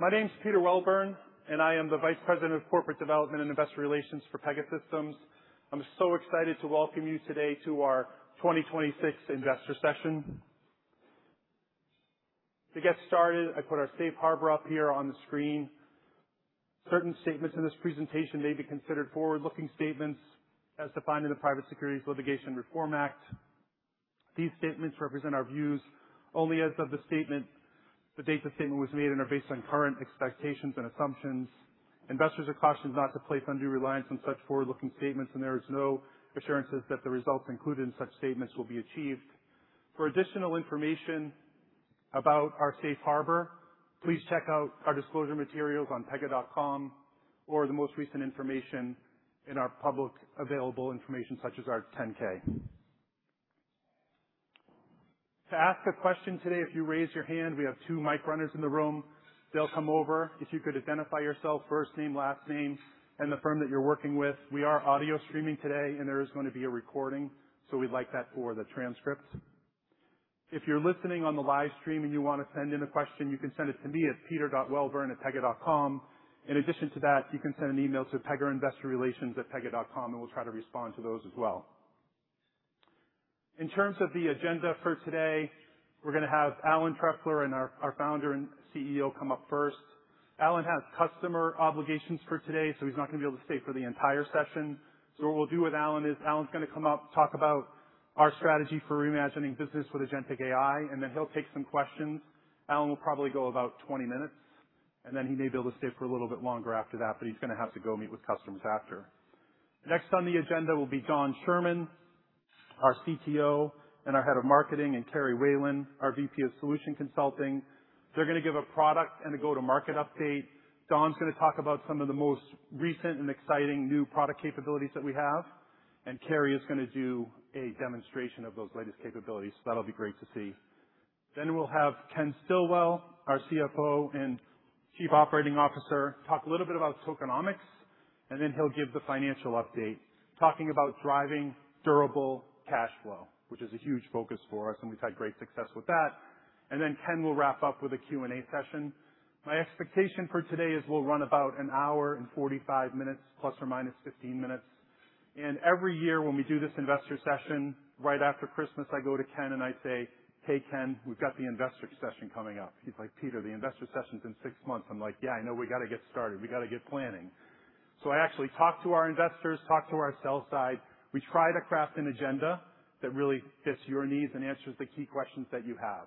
My name is Peter Welburn, and I am the Vice President of Corporate Development and Investor Relations for Pegasystems. I am so excited to welcome you today to our 2026 investor session. To get started, I put our safe harbor up here on the screen. Certain statements in this presentation may be considered forward-looking statements as defined in the Private Securities Litigation Reform Act of 1995. These statements represent our views only as of the date the statement was made and are based on current expectations and assumptions. Investors are cautioned not to place undue reliance on such forward-looking statements, and there is no assurance that the results included in such statements will be achieved. For additional information about our safe harbor, please check out our disclosure materials on pega.com or the most recent information in our publicly available information such as our 10-K. To ask a question today, if you raise your hand, we have two mic runners in the room. They will come over. If you could identify yourself, first name, last name, and the firm that you are working with. We are audio streaming today, and there is going to be a recording, so we would like that for the transcript. If you are listening on the live stream and you want to send in a question, you can send it to me at peter.welburn@pega.com. In addition to that, you can send an email to pegainvestorrelations@pega.com, and we will try to respond to those as well. In terms of the agenda for today, we are going to have Alan Trefler, our Founder and Chief Executive Officer, come up first. Alan has customer obligations for today, so he is not going to be able to stay for the entire session. What we will do with Alan is Alan is going to come up, talk about our strategy for reimagining business with Agentic AI, and then he will take some questions. Alan will probably go about 20 minutes, and then he may be able to stay for a little bit longer after that, but he is going to have to go meet with customers after. Next on the agenda will be Don Schuerman, our Chief Technology Officer, and our head of marketing, and Carie Whalen, our Vice President of Solution Consulting. They are going to give a product and a go-to-market update. Don is going to talk about some of the most recent and exciting new product capabilities that we have, and Carie is going to do a demonstration of those latest capabilities. That will be great to see. We will have Ken Stillwell, our Chief Financial Officer and Chief Operating Officer, talk a little bit about tokenomics, and then he will give the financial update, talking about driving durable cash flow, which is a huge focus for us, and we have had great success with that. Ken will wrap up with a Q&A session. My expectation for today is we will run about an hour and 45 minutes, plus or minus 15 minutes. Every year when we do this investor session, right after Christmas, I go to Ken and I say, "Hey, Ken, we have got the investor session coming up." He is like, "Peter, the investor session is in six months." I am like, "Yeah, I know. We got to get started. We got to get planning." I actually talk to our investors, talk to our sales side. We try to craft an agenda that really fits your needs and answers the key questions that you have.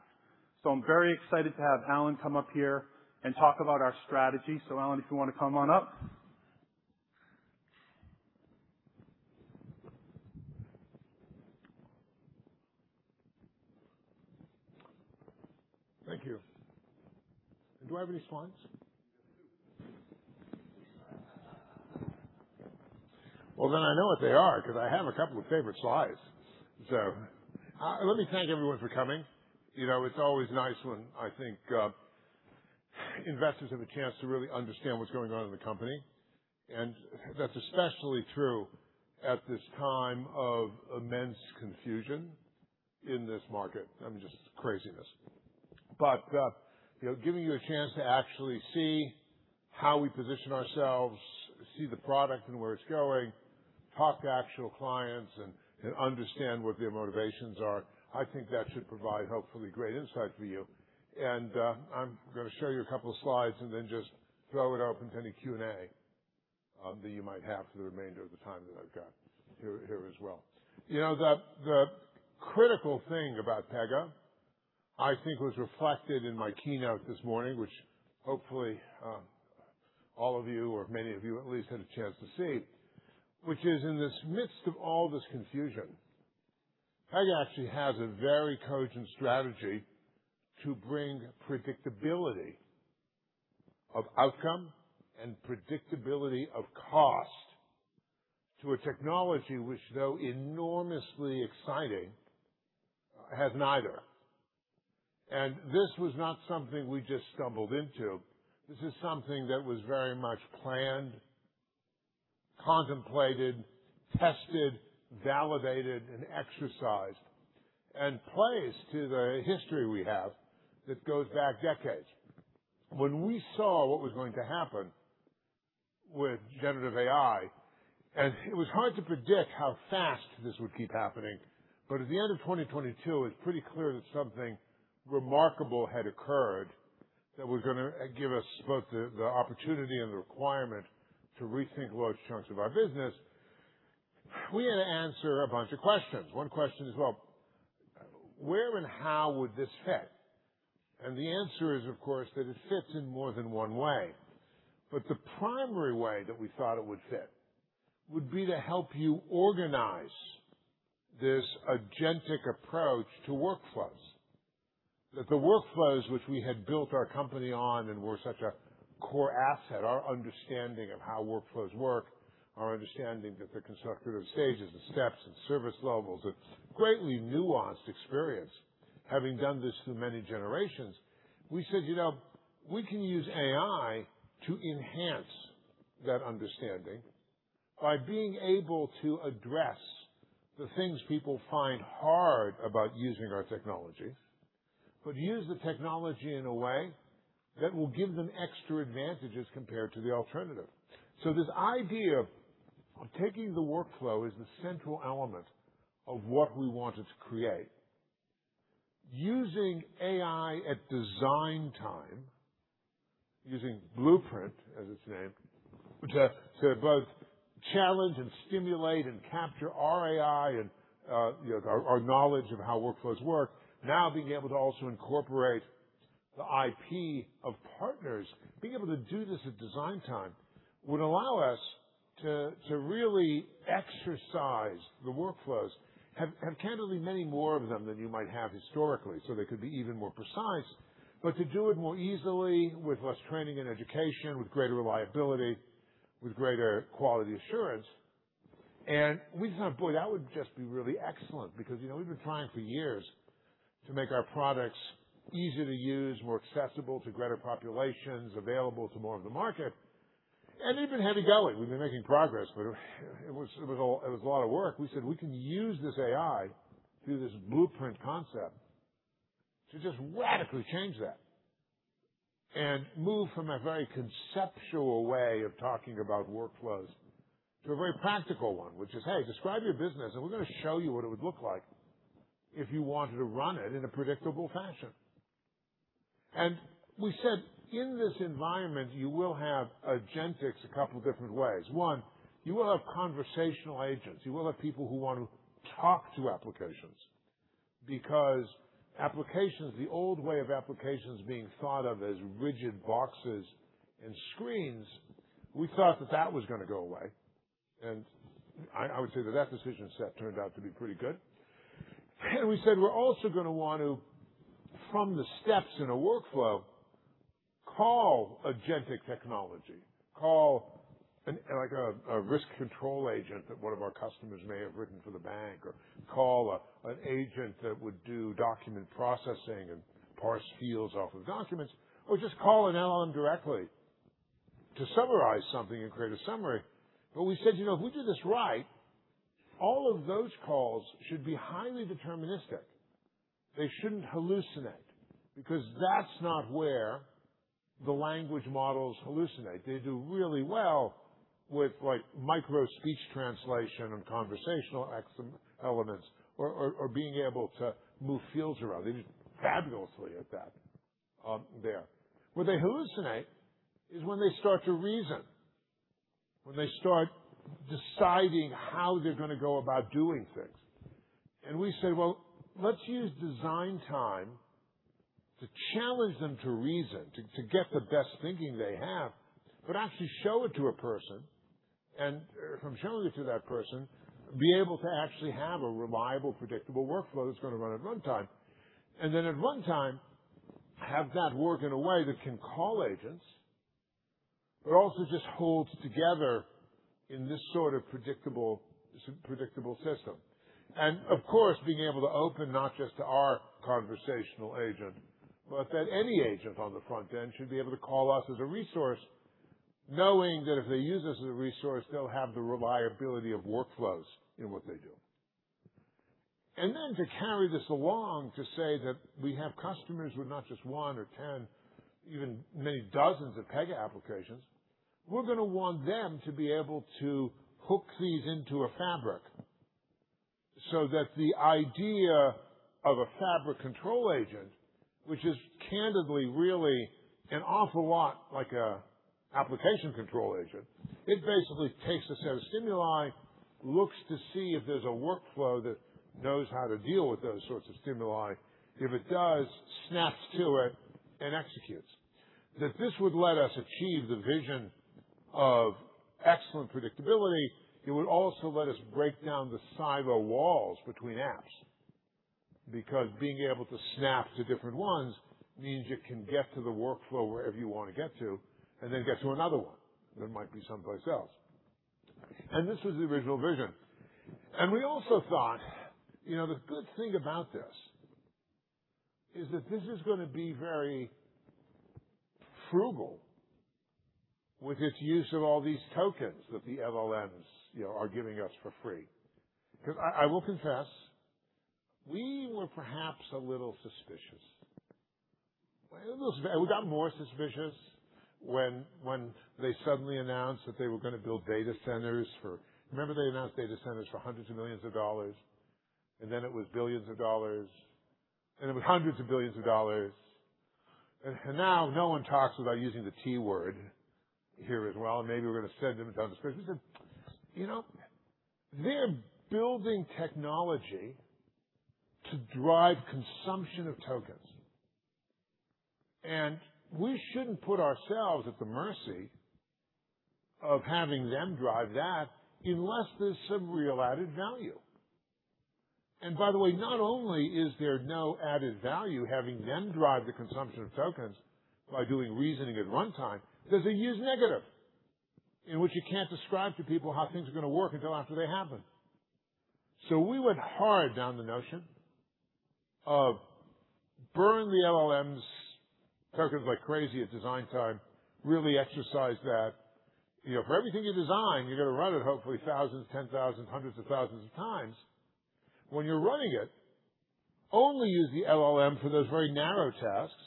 I'm very excited to have Alan come up here and talk about our strategy. Alan, if you want to come on up. Thank you. Do I have any slides? You do. I know what they are because I have a couple of favorite slides. Let me thank everyone for coming. It's always nice when, I think, investors have a chance to really understand what's going on in the company. That's especially true at this time of immense confusion in this market. I mean, just craziness. Giving you a chance to actually see how we position ourselves, see the product and where it's going, talk to actual clients and understand what their motivations are, I think that should provide, hopefully, great insight for you. I'm going to show you a couple of slides and then just throw it open to any Q&A that you might have for the remainder of the time that I've got here as well. The critical thing about Pega, I think, was reflected in my keynote this morning, which hopefully, all of you or many of you at least had a chance to see, which is in this midst of all this confusion, Pega actually has a very cogent strategy to bring predictability of outcome and predictability of cost to a technology which, though enormously exciting, has neither. This was not something we just stumbled into. This is something that was very much planned, contemplated, tested, validated, and exercised and plays to the history we have that goes back decades. When we saw what was going to happen with generative AI, it was hard to predict how fast this would keep happening, at the end of 2022, it was pretty clear that something remarkable had occurred that was going to give us both the opportunity and the requirement to rethink large chunks of our business. We had to answer a bunch of questions. One question is, well, where and how would this fit? The answer is, of course, that it fits in more than one way. The primary way that we thought it would fit would be to help you organize this Agentic approach to workflows. That the workflows which we had built our company on and were such a core asset, our understanding of how workflows work, our understanding that the constructive stages, the steps and service levels, a greatly nuanced experience, having done this through many generations. We said, "We can use AI to enhance that understanding by being able to address the things people find hard about using our technology, but use the technology in a way that will give them extra advantages compared to the alternative. This idea of taking the workflow as the central element of what we wanted to create, using AI at design time, using Blueprint as its name, to both challenge and stimulate and capture our AI and our knowledge of how workflows work. Now being able to also incorporate the IP of partners, being able to do this at design time would allow us to really exercise the workflows. Have candidly many more of them than you might have historically, so they could be even more precise, but to do it more easily with less training and education, with greater reliability, with greater quality assurance. We just thought, boy, that would just be really excellent because we've been trying for years to make our products easier to use, more accessible to greater populations, available to more of the market, and even heavy going. We've been making progress, but it was a lot of work. We said, we can use this AI through this blueprint concept to just radically change that and move from a very conceptual way of talking about workflows to a very practical one, which is, hey, describe your business, and we're going to show you what it would look like if you wanted to run it in a predictable fashion. We said, in this environment, you will have agentics a couple different ways. One, you will have conversational agents. You will have people who want to talk to applications. Applications, the old way of applications being thought of as rigid boxes and screens, we thought that that was going to go away, and I would say that decision set turned out to be pretty good. We said, we're also going to want to, from the steps in a workflow, call agentic technology. Call a risk control agent that one of our customers may have written for the bank, or call an agent that would do document processing and parse fields off of documents, or just call an LLM directly to summarize something and create a summary. We said, if we do this right, all of those calls should be highly deterministic. They shouldn't hallucinate, because that's not where the language models hallucinate. They do really well with micro speech translation and conversational elements or being able to move fields around. They're just fabulously at that there. Where they hallucinate is when they start to reason. When they start deciding how they're going to go about doing things. We say, well, let's use design time to challenge them to reason, to get the best thinking they have, but actually show it to a person. From showing it to that person, be able to actually have a reliable, predictable workflow that's going to run at runtime. Then at runtime, have that work in a way that can call agents, but also just holds together in this sort of predictable system. Of course, being able to open not just to our conversational agent, but that any agent on the front end should be able to call us as a resource, knowing that if they use us as a resource, they'll have the reliability of workflows in what they do. Then to carry this along to say that we have customers with not just one or 10, even many dozens of Pega applications. We're going to want them to be able to hook these into a fabric so that the idea of a fabric control agent, which is candidly really an awful lot like an application control agent. It basically takes a set of stimuli, looks to see if there's a workflow that knows how to deal with those sorts of stimuli. If it does, snaps to it and executes. This would let us achieve the vision of excellent predictability. It would also let us break down the cyber walls between apps, because being able to snap to different ones means you can get to the workflow wherever you want to get to and then get to another one that might be someplace else. This was the original vision. We also thought, the good thing about this is that this is going to be very frugal with its use of all these tokens that the LLMs are giving us for free. I will confess, we were perhaps a little suspicious. We got more suspicious when they suddenly announced that they were going to build data centers for Remember they announced data centers for hundreds of millions of dollars, and then it was billions of dollars, and it was hundreds of billions of dollars. Now no one talks without using the T word here as well. Maybe we're going to send them down this because we said, they're building technology to drive consumption of tokens. We shouldn't put ourselves at the mercy of having them drive that unless there's some real added value. By the way, not only is there no added value having them drive the consumption of tokens by doing reasoning at runtime. There's a huge negative in which you can't describe to people how things are going to work until after they happen. We went hard down the notion of burn the LLMs tokens like crazy at design time, really exercise that. For everything you design, you're going to run it hopefully thousands, 10,000, 100,000 times. When you're running it, only use the LLM for those very narrow tasks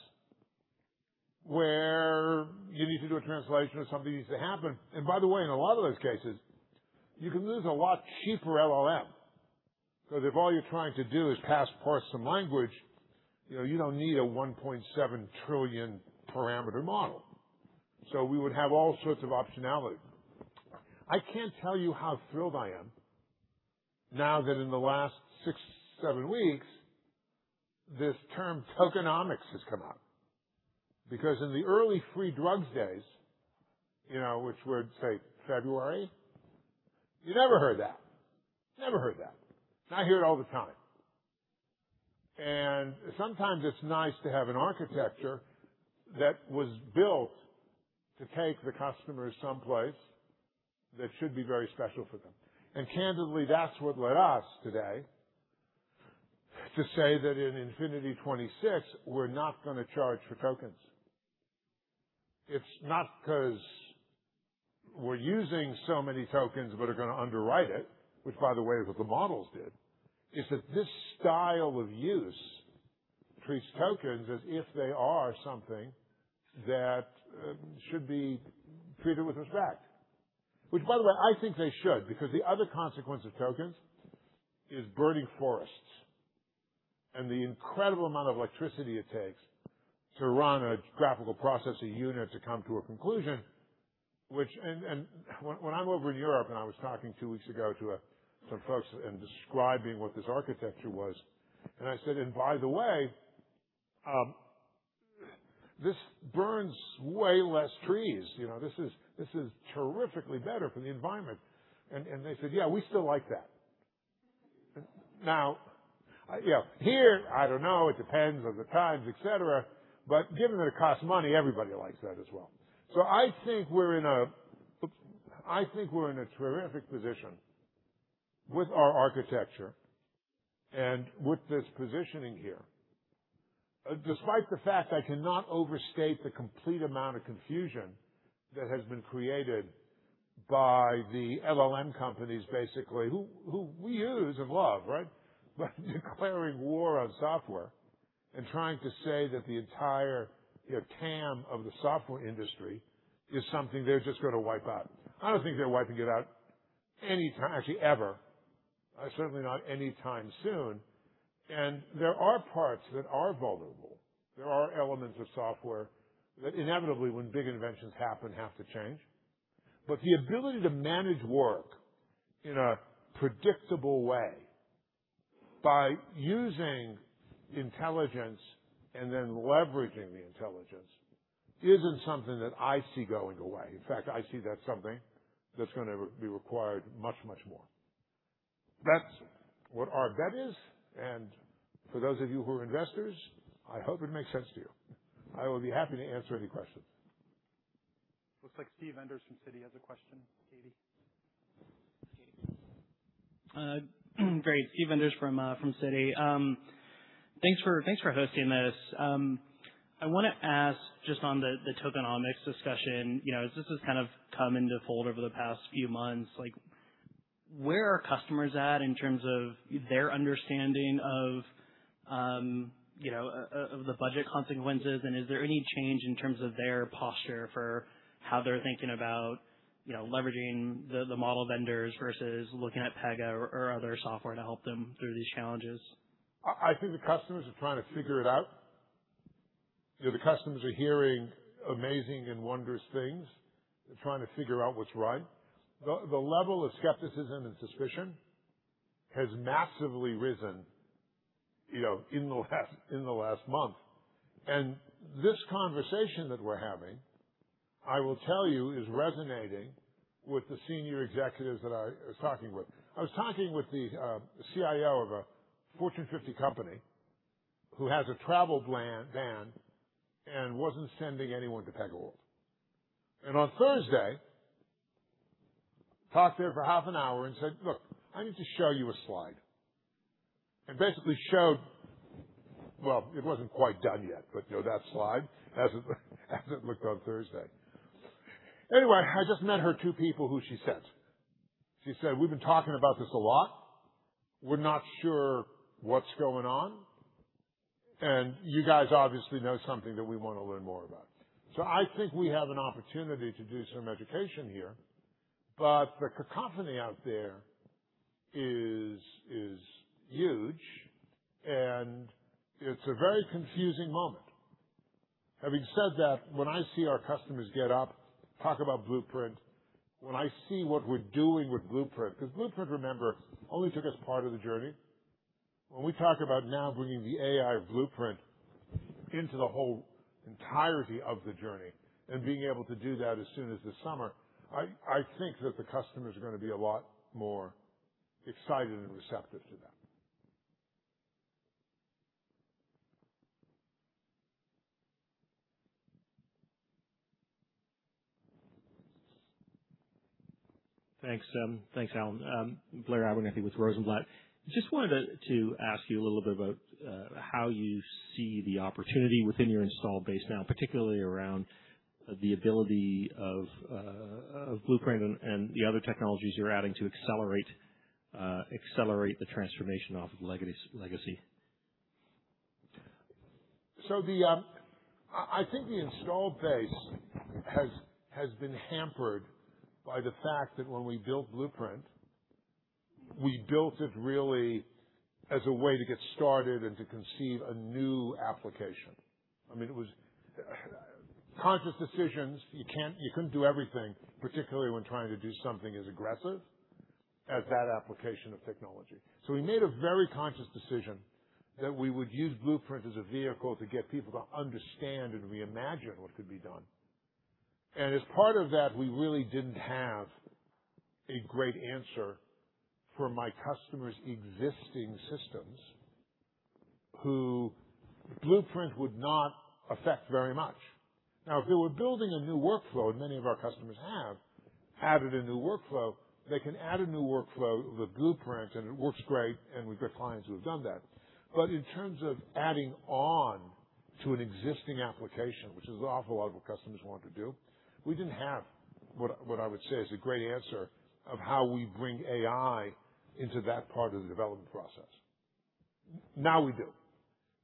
where you need to do a translation or something needs to happen. By the way, in a lot of those cases, you can use a lot cheaper LLM, because if all you're trying to do is parse some language, you don't need a 1.7 trillion parameter model. We would have all sorts of optionality. I can't tell you how thrilled I am now that in the last six, seven weeks, this term tokenomics has come up. In the early free drugs days, which were, say, February, you never heard that. Never heard that. Now I hear it all the time. Sometimes it's nice to have an architecture that was built to take the customer someplace that should be very special for them. Candidly, that's what led us today to say that in Infinity 2026, we're not going to charge for tokens. It's not because we're using so many tokens that are going to underwrite it, which, by the way, is what the models did. It's that this style of use treats tokens as if they are something that should be treated with respect. Which, by the way, I think they should, because the other consequence of tokens is burning forests and the incredible amount of electricity it takes to run a graphical processing unit to come to a conclusion. When I'm over in Europe and I was talking two weeks ago to some folks and describing what this architecture was, and I said, "And by the way, this burns way less trees. This is terrifically better for the environment." They said, "Yeah, we still like that." Now, here, I don't know, it depends on the times, et cetera, but given that it costs money, everybody likes that as well. I think we're in a terrific position with our architecture and with this positioning here, despite the fact I cannot overstate the complete amount of confusion that has been created by the LLM companies, basically, who we use and love, right? Declaring war on software and trying to say that the entire TAM of the software industry is something they're just going to wipe out. I don't think they're wiping it out anytime, actually, ever. Certainly not anytime soon. There are parts that are vulnerable. There are elements of software that inevitably, when big inventions happen, have to change. The ability to manage work in a predictable way by using intelligence and then leveraging the intelligence isn't something that I see going away. In fact, I see that's something that's going to be required much more. That's what our bet is, and for those of you who are investors, I hope it makes sense to you. I will be happy to answer any questions. Looks like Steve Enders from Citi has a question. Great. Steve Enders from Citi. Thanks for hosting this. I want to ask just on the tokenomics discussion, as this has kind of come into fold over the past few months, where are customers at in terms of their understanding of the budget consequences, and is there any change in terms of their posture for how they're thinking about leveraging the model vendors versus looking at Pega or other software to help them through these challenges? I think the customers are trying to figure it out. The customers are hearing amazing and wondrous things. They're trying to figure out what's right. The level of skepticism and suspicion has massively risen in the last month. This conversation that we're having, I will tell you, is resonating with the senior executives that I was talking with. I was talking with the CIO of a Fortune 50 company who has a travel ban and wasn't sending anyone to PegaWorld. On Thursday, talked to her for half an hour and said, "Look, I need to show you a slide." And basically showed it wasn't quite done yet, but that slide as it looked on Thursday. Anyway, I just met her two people who she sent. She said, "We've been talking about this a lot. We're not sure what's going on, and you guys obviously know something that we want to learn more about." I think we have an opportunity to do some education here, but the cacophony out there is huge, and it's a very confusing moment. Having said that, when I see our customers get up, talk about Pega Blueprint, when I see what we're doing with Pega Blueprint, because Pega Blueprint, remember, only took us part of the journey. When we talk about now bringing the AI of Pega Blueprint into the whole entirety of the journey and being able to do that as soon as this summer, I think that the customers are going to be a lot more excited and receptive to that. Thanks, Alan. Blair Abernethy with Rosenblatt. Just wanted to ask you a little bit about how you see the opportunity within your installed base now, particularly around the ability of Pega Blueprint and the other technologies you're adding to accelerate the transformation off of legacy. I think the installed base has been hampered by the fact that when we built Pega Blueprint, we built it really as a way to get started and to conceive a new application. It was conscious decisions. You couldn't do everything, particularly when trying to do something as aggressive as that application of technology. We made a very conscious decision that we would use Pega Blueprint as a vehicle to get people to understand and reimagine what could be done. As part of that, we really didn't have a great answer for my customers' existing systems, who Pega Blueprint would not affect very much. Now, if they were building a new workflow, and many of our customers have added a new workflow, they can add a new workflow with Pega Blueprint, and it works great, and we've got clients who have done that. In terms of adding on to an existing application, which is an awful lot of what customers want to do, we didn't have what I would say is a great answer of how we bring AI into that part of the development process. Now we do.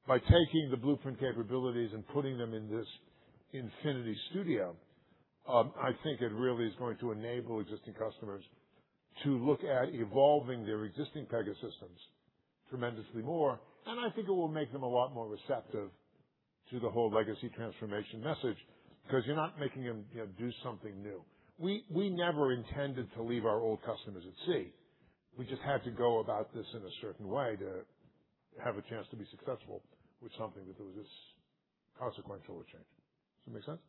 By taking the Pega Blueprint capabilities and putting them in this Pega Infinity Studio, I think it really is going to enable existing customers to look at evolving their existing Pega systems tremendously more. I think it will make them a lot more receptive to the whole legacy transformation message because you're not making them do something new. We never intended to leave our old customers at sea. We just had to go about this in a certain way to have a chance to be successful with something that was this consequential a change. Does that make sense?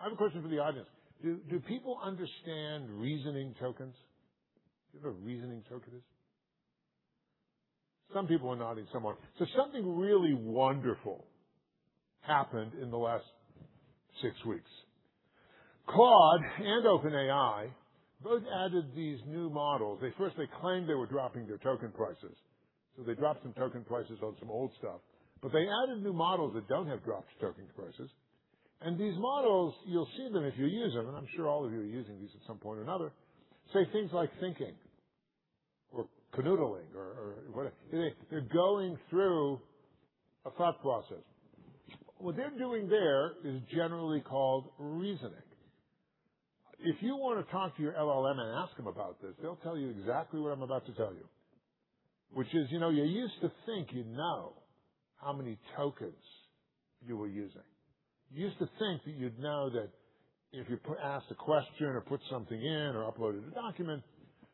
I have a question for the audience. Do people understand reasoning tokens? Do you know what a reasoning token is? Some people are nodding, some aren't. Something really wonderful happened in the last six weeks. Claude and OpenAI both added these new models. First, they claimed they were dropping their token prices. They dropped some token prices on some old stuff, but they added new models that don't have dropped token prices. These models, you'll see them if you use them, and I'm sure all of you are using these at some point or another, say things like thinking or canoodling or whatever. They're going through a thought process. What they're doing there is generally called reasoning. If you want to talk to your LLM and ask him about this, they'll tell you exactly what I'm about to tell you, which is, you used to think you'd know how many tokens you were using. You used to think that you'd know that if you asked a question or put something in or uploaded a document,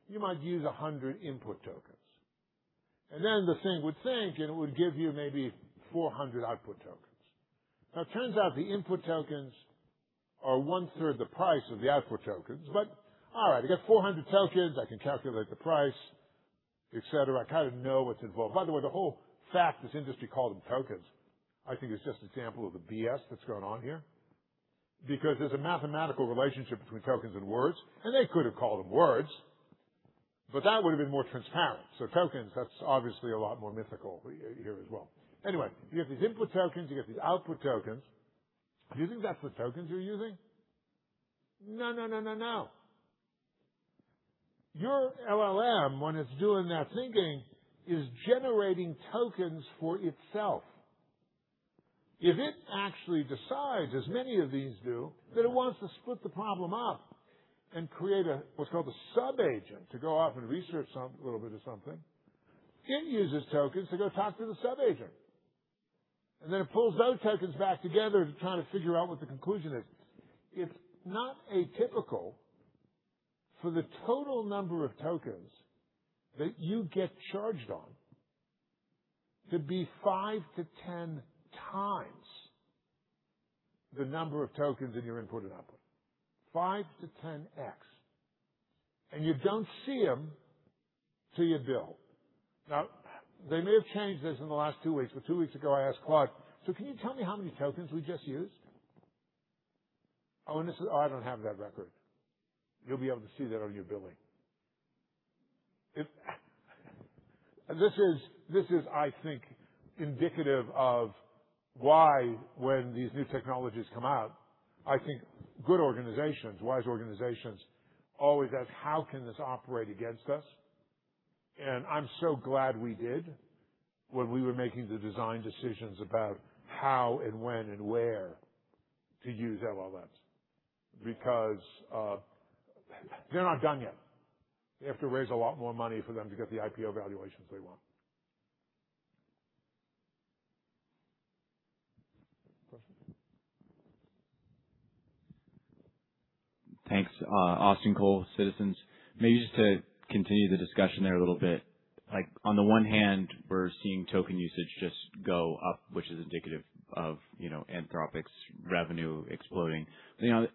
you might use 100 input tokens. Then the thing would think, and it would give you maybe 400 output tokens. Now it turns out the input tokens are 1/3 the price of the output tokens, but all right, I got 400 tokens. I can calculate the price, et cetera. I kind of know what's involved. By the way, the whole fact this industry called them tokens, I think is just an example of the BS that's going on here. There's a mathematical relationship between tokens and words, and they could have called them words. That would have been more transparent. Tokens, that's obviously a lot more mythical here as well. Anyway, you have these input tokens, you got these output tokens. Do you think that's what tokens you're using? No. Your LLM, when it's doing that thinking, is generating tokens for itself. If it actually decides, as many of these do, that it wants to split the problem up and create what's called a sub-agent to go off and research a little bit of something, it uses tokens to go talk to the sub-agent. Then it pulls those tokens back together to try to figure out what the conclusion is. It's not atypical for the total number of tokens that you get charged on to be 5x to 10x the number of tokens in your input and output, 5x to 10x. You don't see them till you bill. They may have changed this in the last two weeks, but two weeks ago, I asked Claude, "Can you tell me how many tokens we just used?" "Oh, I don't have that record. You'll be able to see that on your billing." This is, I think, indicative of why when these new technologies come out, I think good organizations, wise organizations always ask, "How can this operate against us?" I'm so glad we did when we were making the design decisions about how and when and where to use LLMs. They're not done yet. They have to raise a lot more money for them to get the IPO valuations they want. Question? Thanks. Austin Cole, Citizens. Maybe just to continue the discussion there a little bit. On the one hand, we're seeing token usage just go up, which is indicative of Anthropic's revenue exploding.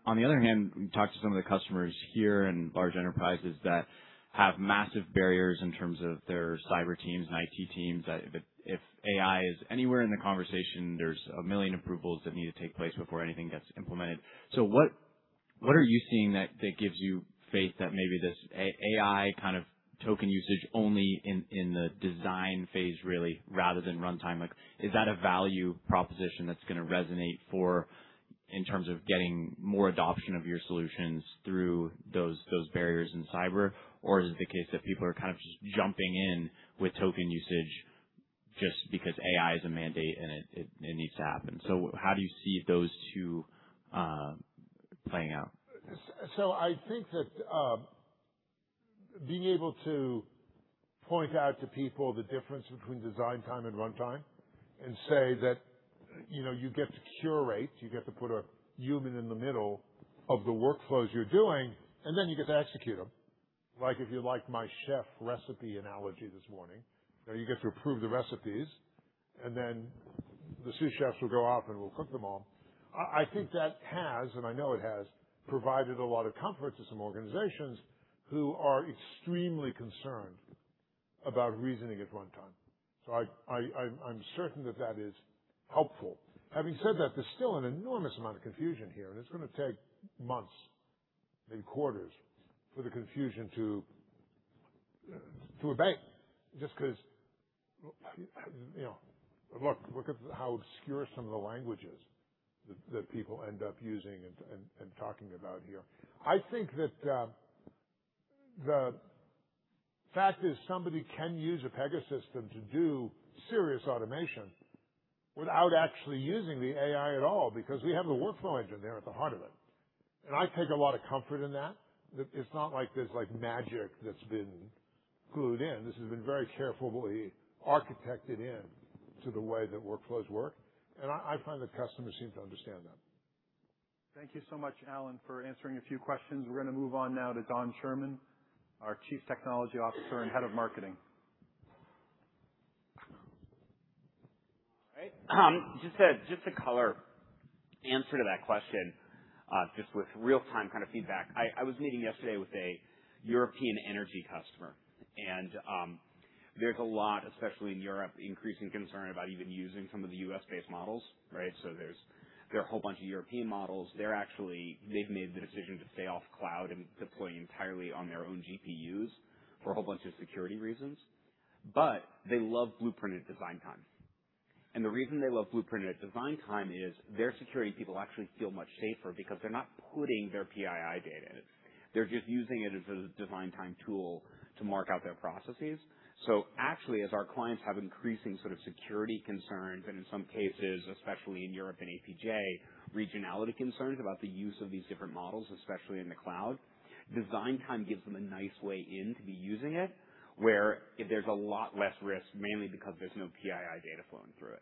On the other hand, we talk to some of the customers here and large enterprises that have massive barriers in terms of their cyber teams and IT teams, that if AI is anywhere in the conversation, there's a million approvals that need to take place before anything gets implemented. What are you seeing that gives you faith that maybe this AI kind of token usage only in the design phase really rather than runtime? Is that a value proposition that's going to resonate in terms of getting more adoption of your solutions through those barriers in cyber? Is it the case that people are kind of just jumping in with token usage just because AI is a mandate and it needs to happen? How do you see those two playing out? I think that being able to point out to people the difference between design time and runtime and say that you get to curate, you get to put a human in the middle of the workflows you're doing, and then you get to execute them. Like if you liked my chef recipe analogy this morning, you get to approve the recipes, and then the sous chefs will go off and will cook them all. I think that has, and I know it has, provided a lot of comfort to some organizations who are extremely concerned about reasoning at runtime. I'm certain that that is helpful. Having said that, there's still an enormous amount of confusion here, and it's going to take months and quarters for the confusion to abate just because, look at how obscure some of the language is that people end up using and talking about here. I think that the fact is somebody can use a Pega system to do serious automation without actually using the AI at all because we have the workflow engine there at the heart of it. I take a lot of comfort in that it's not like there's magic that's been glued in. This has been very carefully architected in to the way that workflows work. I find that customers seem to understand that. Thank you so much, Alan, for answering a few questions. We're going to move on now to Don Schuerman, our Chief Technology Officer and head of marketing. All right. Just a color answer to that question, just with real-time kind of feedback. I was meeting yesterday with a European energy customer and there's a lot, especially in Europe, increasing concern about even using some of the U.S.-based models, right? There are a whole bunch of European models. They've made the decision to stay off cloud and deploy entirely on their own GPUs for a whole bunch of security reasons. They love Blueprint at design time. The reason they love Blueprint at design time is their security people actually feel much safer because they're not putting their PII data in it. They're just using it as a design time tool to mark out their processes. Actually, as our clients have increasing sort of security concerns and in some cases, especially in Europe and APJ, regionality concerns about the use of these different models, especially in the cloud, design time gives them a nice way in to be using it, where there's a lot less risk, mainly because there's no PII data flowing through it.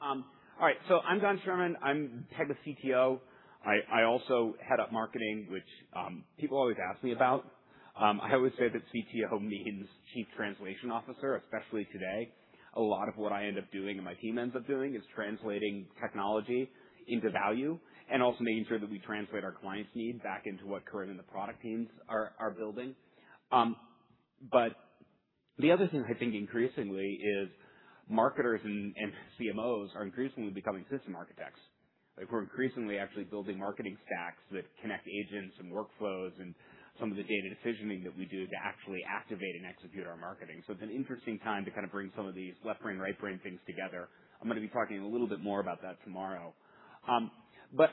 All right. I'm Don Schuerman. I'm Pega CTO. I also head up marketing, which people always ask me about. I always say that CTO means chief translation officer, especially today. A lot of what I end up doing and my team ends up doing is translating technology into value and also making sure that we translate our clients' needs back into what Kerim and the product teams are building. The other thing I think increasingly is marketers and CMOs are increasingly becoming system architects. We're increasingly actually building marketing stacks that connect agents and workflows and some of the data decisioning that we do to actually activate and execute our marketing. It's an interesting time to kind of bring some of these left brain, right brain things together. I'm going to be talking a little bit more about that tomorrow. I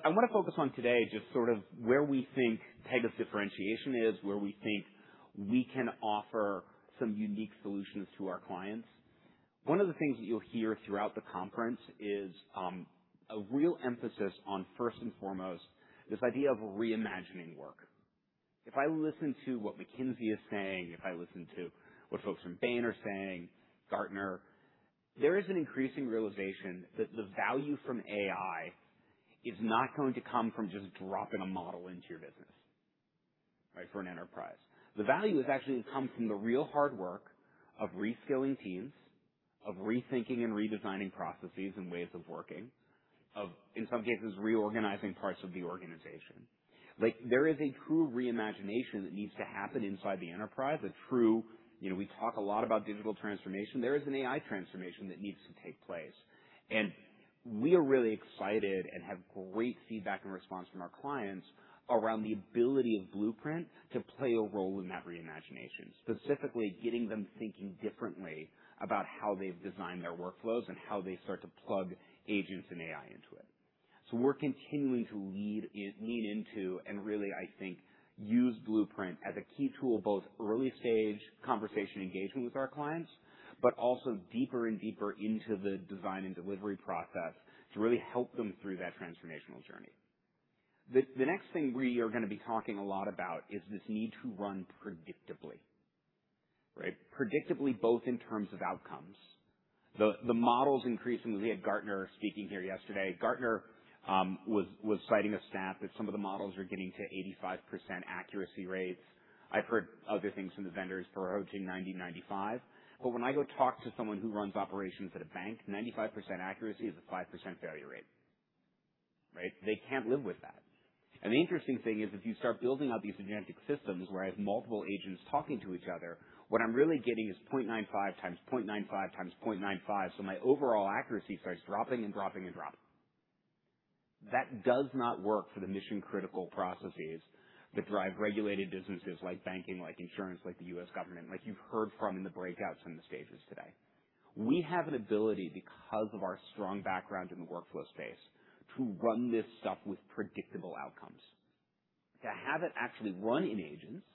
want to focus on today just sort of where we think Pega's differentiation is, where we think we can offer some unique solutions to our clients. One of the things that you'll hear throughout the conference is a real emphasis on first and foremost, this idea of reimagining work. If I listen to what McKinsey is saying, if I listen to what folks from Bain are saying, Gartner, there is an increasing realization that the value from AI is not going to come from just dropping a model into your business for an enterprise. The value is actually going to come from the real hard work of reskilling teams, of rethinking and redesigning processes and ways of working, of in some cases reorganizing parts of the organization. There is a true reimagination that needs to happen inside the enterprise, a true, we talk a lot about digital transformation. There is an AI transformation that needs to take place. We are really excited and have great feedback and response from our clients around the ability of Blueprint to play a role in that reimagination, specifically getting them thinking differently about how they've designed their workflows and how they start to plug agents and AI into it. We're continuing to lean into and really, I think, use Blueprint as a key tool, both early-stage conversation engagement with our clients, but also deeper and deeper into the design and delivery process to really help them through that transformational journey. The next thing we are going to be talking a lot about is this need to run predictably. Predictably both in terms of outcomes. The models increasingly, we had Gartner speaking here yesterday. Gartner was citing a stat that some of the models are getting to 85% accuracy rates. I've heard other things from the vendors who are approaching 90%, 95. When I go talk to someone who runs operations at a bank, 95% accuracy is a 5% failure rate, right? They can't live with that. The interesting thing is if you start building out these agentic systems where I have multiple agents talking to each other, what I'm really getting is 0.95x, 0.95x, 0.95x, my overall accuracy starts dropping and dropping and dropping. That does not work for the mission-critical processes that drive regulated businesses like banking, like insurance, like the U.S. government, like you've heard from in the breakouts on the stages today. We have an ability, because of our strong background in the workflow space, to run this stuff with predictable outcomes, to have it actually run in agents,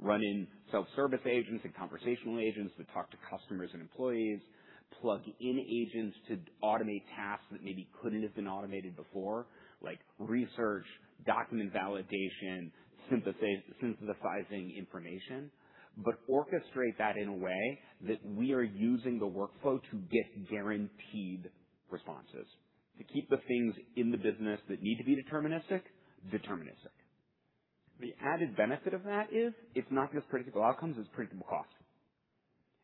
run in self-service agents and conversational agents that talk to customers and employees, plug in agents to automate tasks that maybe couldn't have been automated before, like research, document validation, synthesizing information. Orchestrate that in a way that we are using the workflow to get guaranteed responses, to keep the things in the business that need to be deterministic. The added benefit of that is, it's not just predictable outcomes, it's predictable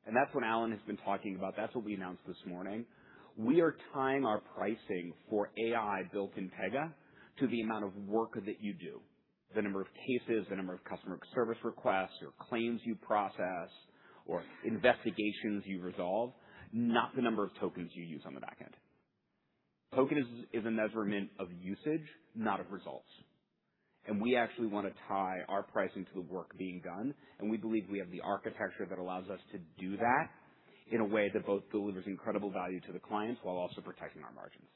cost. That's what Alan has been talking about. That's what we announced this morning. We are tying our pricing for AI built in Pega to the amount of work that you do, the number of cases, the number of customer service requests or claims you process or investigations you resolve, not the number of tokens you use on the back end. Token is a measurement of usage, not of results. We actually want to tie our pricing to the work being done, and we believe we have the architecture that allows us to do that in a way that both delivers incredible value to the clients while also protecting our margins.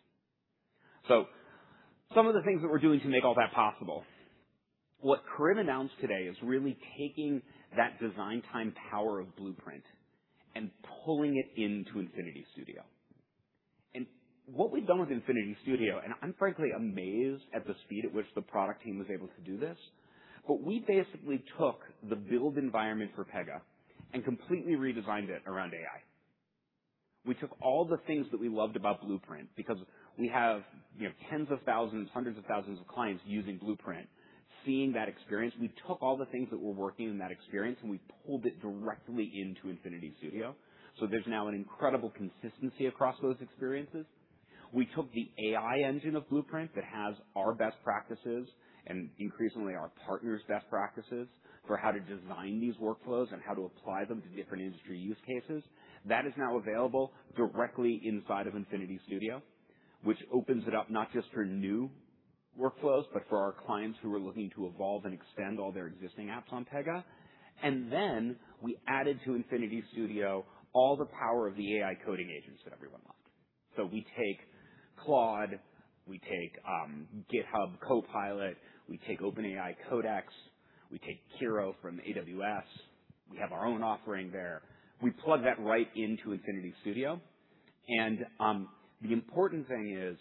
Some of the things that we're doing to make all that possible. What Kerim announced today is really taking that design time power of Blueprint and pulling it into Infinity Studio. What we've done with Infinity Studio, I'm frankly amazed at the speed at which the product team was able to do this. We basically took the build environment for Pega and completely redesigned it around AI. We took all the things that we loved about Blueprint because we have tens of thousands, hundreds of thousands of clients using Blueprint, seeing that experience. We took all the things that were working in that experience, and we pulled it directly into Infinity Studio. There's now an incredible consistency across those experiences. We took the AI engine of Blueprint that has our best practices and increasingly our partners' best practices for how to design these workflows and how to apply them to different industry use cases. That is now available directly inside of Infinity Studio, which opens it up not just for new workflows, but for our clients who are looking to evolve and extend all their existing apps on Pega. We added to Infinity Studio all the power of the AI coding agents that everyone loved. We take Claude, we take GitHub Copilot, we take OpenAI Codex, we take Kiro from AWS. We have our own offering there. We plug that right into Infinity Studio. The important thing is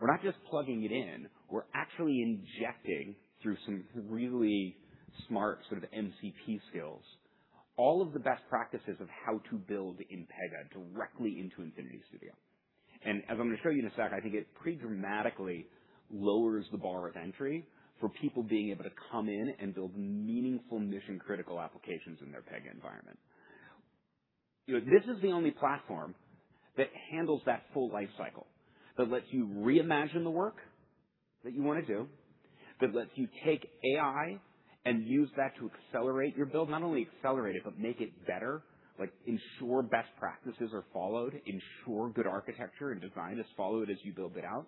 we're not just plugging it in, we're actually injecting through some really smart sort of MCP skills, all of the best practices of how to build in Pega directly into Infinity Studio. As I'm going to show you in a second, I think it pretty dramatically lowers the bar of entry for people being able to come in and build meaningful mission-critical applications in their Pega environment. This is the only platform that handles that full life cycle, that lets you reimagine the work that you want to do, that lets you take AI and use that to accelerate your build. Not only accelerate it, make it better, ensure best practices are followed, ensure good architecture and design is followed as you build it out,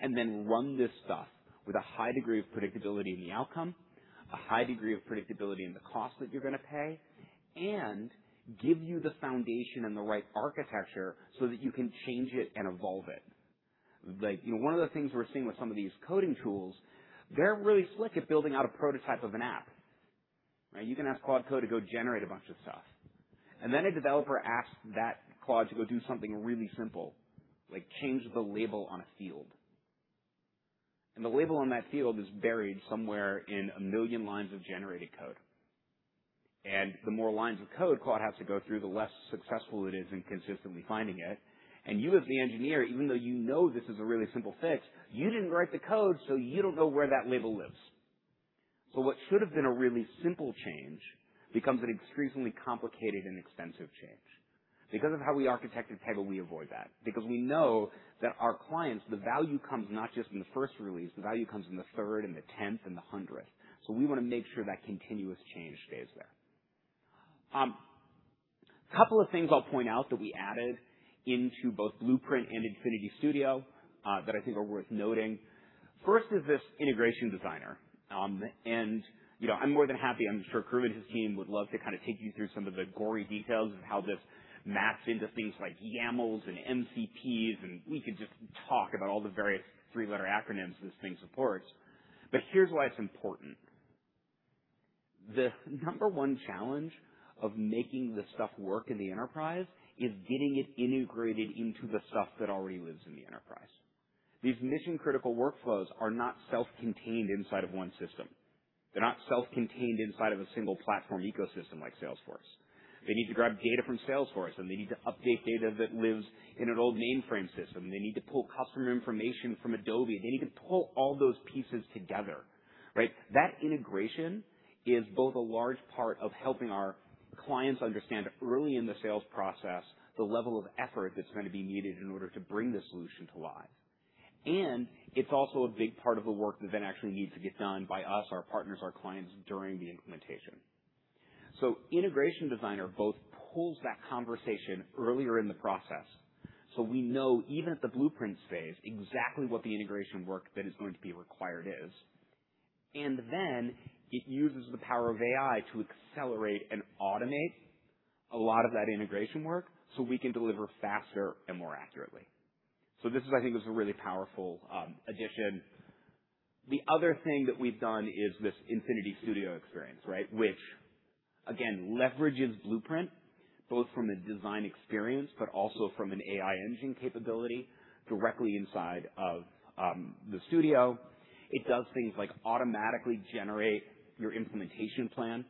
and then run this stuff with a high degree of predictability in the outcome, a high degree of predictability in the cost that you're going to pay, and give you the foundation and the right architecture so that you can change it and evolve it. One of the things we're seeing with some of these coding tools, they're really slick at building out a prototype of an app. You can ask Claude Code to go generate a bunch of stuff. Then a developer asks that Claude to go do something really simple, like change the label on a field. The label on that field is buried somewhere in a million lines of generated code. The more lines of code Claude has to go through, the less successful it is in consistently finding it. You as the engineer, even though you know this is a really simple fix, you didn't write the code, so you don't know where that label lives. What should have been a really simple change becomes an extremely complicated and expensive change. Because of how we architected Pega, we avoid that because we know that our clients, the value comes not just in the first release, the value comes in the third and the tenth and the hundredth. We want to make sure that continuous change stays there. Couple of things I'll point out that we added into both Blueprint and Infinity Studio that I think are worth noting. First is this Integration Designer. I'm more than happy, I'm sure Kerim and his team would love to kind of take you through some of the gory details of how this maps into things like YAMLs and MCPs, and we could just talk about all the various three-letter acronyms this thing supports. Here's why it's important. The number one challenge of making this stuff work in the enterprise is getting it integrated into the stuff that already lives in the enterprise. These mission-critical workflows are not self-contained inside of one system. They're not self-contained inside of a single platform ecosystem like Salesforce. They need to grab data from Salesforce, they need to update data that lives in an old mainframe system. They need to pull customer information from Adobe. They need to pull all those pieces together, right? That integration is both a large part of helping our clients understand early in the sales process the level of effort that's going to be needed in order to bring the solution to life. It's also a big part of the work that then actually needs to get done by us, our partners, our clients during the implementation. Integration Designer both pulls that conversation earlier in the process, so we know even at the Blueprint phase exactly what the integration work that is going to be required is. It uses the power of AI to accelerate and automate a lot of that integration work so we can deliver faster and more accurately. This, I think, is a really powerful addition. The other thing that we've done is this Infinity Studio experience, which again leverages Blueprint both from a design experience but also from an AI engine capability directly inside of the Studio. It does things like automatically generate your implementation plan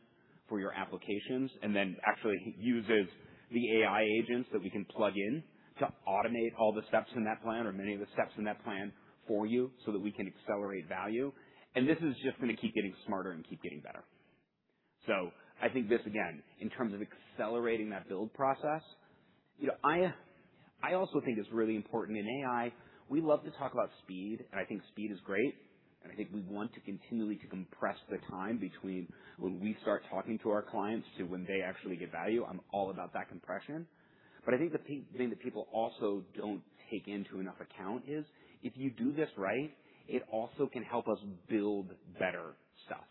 for your applications, and then actually uses the AI agents that we can plug in to automate all the steps in that plan or many of the steps in that plan for you so that we can accelerate value. This is just going to keep getting smarter and keep getting better. I think this, again, in terms of accelerating that build process. I also think it's really important in AI, we love to talk about speed, and I think speed is great, and I think we want to continually compress the time between when we start talking to our clients to when they actually get value. I'm all about that compression. I think the thing that people also don't take into enough account is if you do this right, it also can help us build better stuff.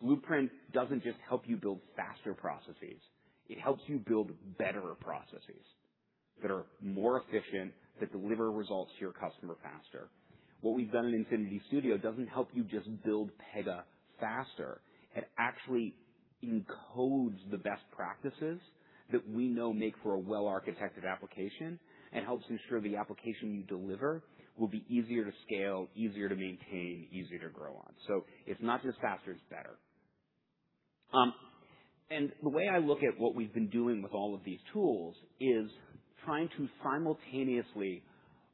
Blueprint doesn't just help you build faster processes. It helps you build better processes that are more efficient, that deliver results to your customer faster. What we've done in Infinity Studio doesn't help you just build Pega faster. It actually encodes the best practices that we know make for a well-architected application and helps ensure the application you deliver will be easier to scale, easier to maintain, easier to grow on. It's not just faster, it's better. The way I look at what we've been doing with all of these tools is trying to simultaneously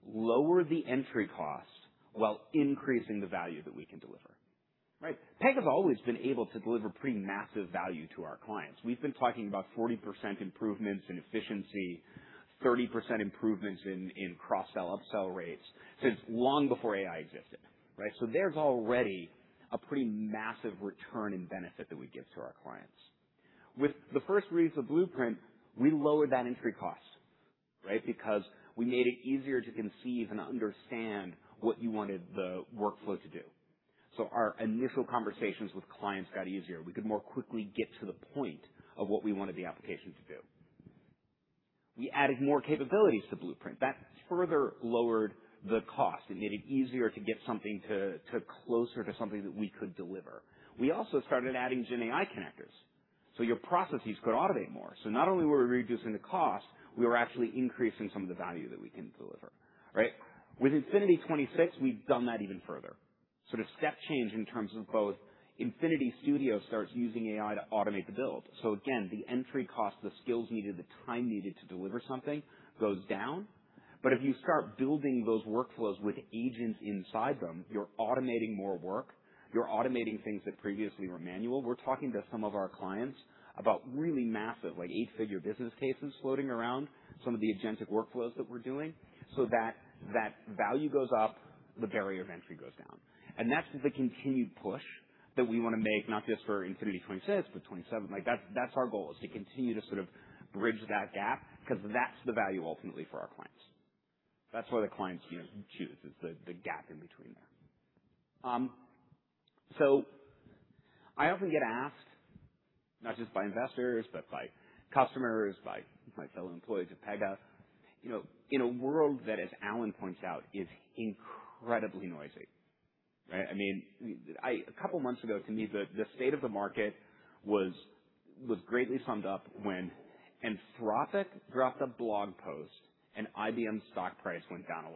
lower the entry cost while increasing the value that we can deliver. Pega has always been able to deliver pretty massive value to our clients. We've been talking about 40% improvements in efficiency, 30% improvements in cross-sell, upsell rates since long before AI existed. There's already a pretty massive return in benefit that we give to our clients. With the first release of Blueprint, we lowered that entry cost because we made it easier to conceive and understand what you wanted the workflow to do. Our initial conversations with clients got easier. We could more quickly get to the point of what we wanted the application to do. We added more capabilities to Blueprint that further lowered the cost and made it easier to get something closer to something that we could deliver. We also started adding GenAI connectors so your processes could automate more. Not only were we reducing the cost, we were actually increasing some of the value that we can deliver. With Infinity 2026, we've done that even further. Sort of step change in terms of both Infinity Studio starts using AI to automate the build. Again, the entry cost, the skills needed, the time needed to deliver something goes down. If you start building those workflows with agents inside them, you're automating more work. You're automating things that previously were manual. We're talking to some of our clients about really massive, like eight-figure business cases floating around some of the agentic workflows that we're doing, so that value goes up, the barrier of entry goes down. That's the continued push that we want to make, not just for Infinity 2026, but 2027. That's our goal is to continue to sort of bridge that gap, because that's the value ultimately for our clients. That's why the clients choose is the gap in between there. I often get asked, not just by investors, but by customers, by my fellow employees at Pega. In a world that, as Alan points out, is incredibly noisy. A couple of months ago, to me, the state of the market was greatly summed up when Anthropic dropped a blog post and IBM's stock price went down 11%.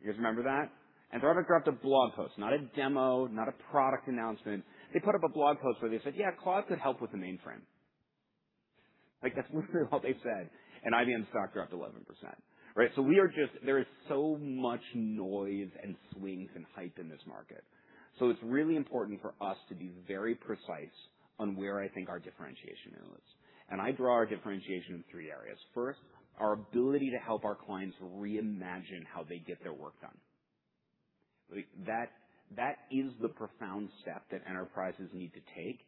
You guys remember that? Anthropic dropped a blog post, not a demo, not a product announcement. They put up a blog post where they said, "Yeah, Claude could help with the mainframe." Like that's literally all they said, and IBM's stock dropped 11%. There is so much noise and swings and hype in this market. It's really important for us to be very precise on where I think our differentiation is. I draw our differentiation in three areas. First, our ability to help our clients reimagine how they get their work done. That is the profound step that enterprises need to take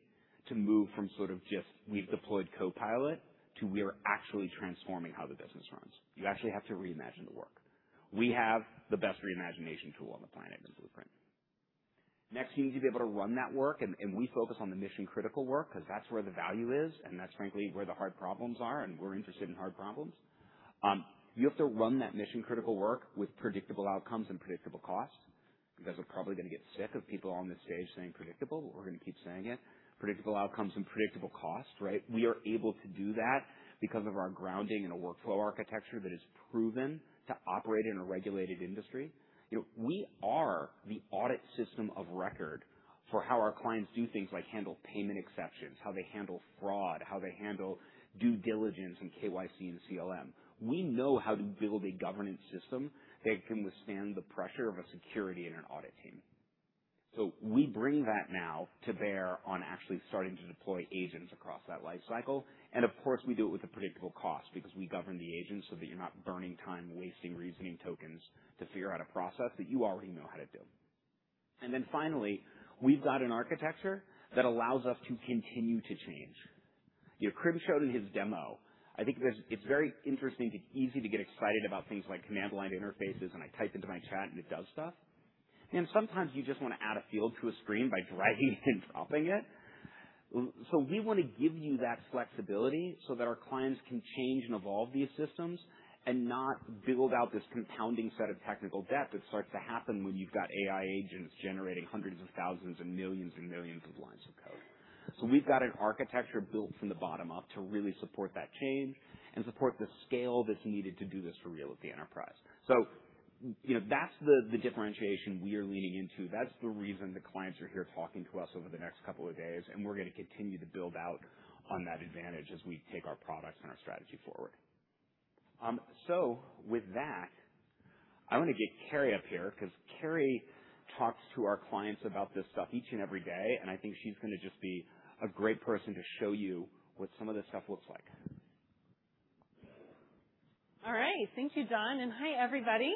to move from sort of just we've deployed Copilot to we are actually transforming how the business runs. You actually have to reimagine the work. We have the best reimagination tool on the planet in Blueprint. Next, you need to be able to run that work, we focus on the mission-critical work because that's where the value is, that's frankly where the hard problems are, we're interested in hard problems. You have to run that mission-critical work with predictable outcomes and predictable costs. You guys are probably going to get sick of people on this stage saying predictable. We're going to keep saying it. Predictable outcomes and predictable costs. We are able to do that because of our grounding in a workflow architecture that is proven to operate in a regulated industry. We are the audit system of record for how our clients do things like handle payment exceptions, how they handle fraud, how they handle due diligence and KYC and CLM. We know how to build a governance system that can withstand the pressure of a security and an audit team. We bring that now to bear on actually starting to deploy agents across that life cycle. Of course, we do it with a predictable cost because we govern the agents so that you're not burning time wasting reasoning tokens to figure out a process that you already know how to do. Then finally, we've got an architecture that allows us to continue to change. Karim showed in his demo, I think it's very interesting. It's easy to get excited about things like command line interfaces, I type into my chat, it does stuff. Sometimes you just want to add a field to a screen by dragging and dropping it. We want to give you that flexibility so that our clients can change and evolve these systems and not build out this compounding set of technical debt that starts to happen when you've got AI agents generating hundreds of thousands and millions and millions of lines of code. We've got an architecture built from the bottom up to really support that change and support the scale that's needed to do this for real with the enterprise. That's the differentiation we are leaning into. That's the reason the clients are here talking to us over the next couple of days, and we're going to continue to build out on that advantage as we take our products and our strategy forward. With that, I want to get Carie up here because Carie talks to our clients about this stuff each and every day, and I think she's going to just be a great person to show you what some of this stuff looks like. All right. Thank you, Don. Hi, everybody.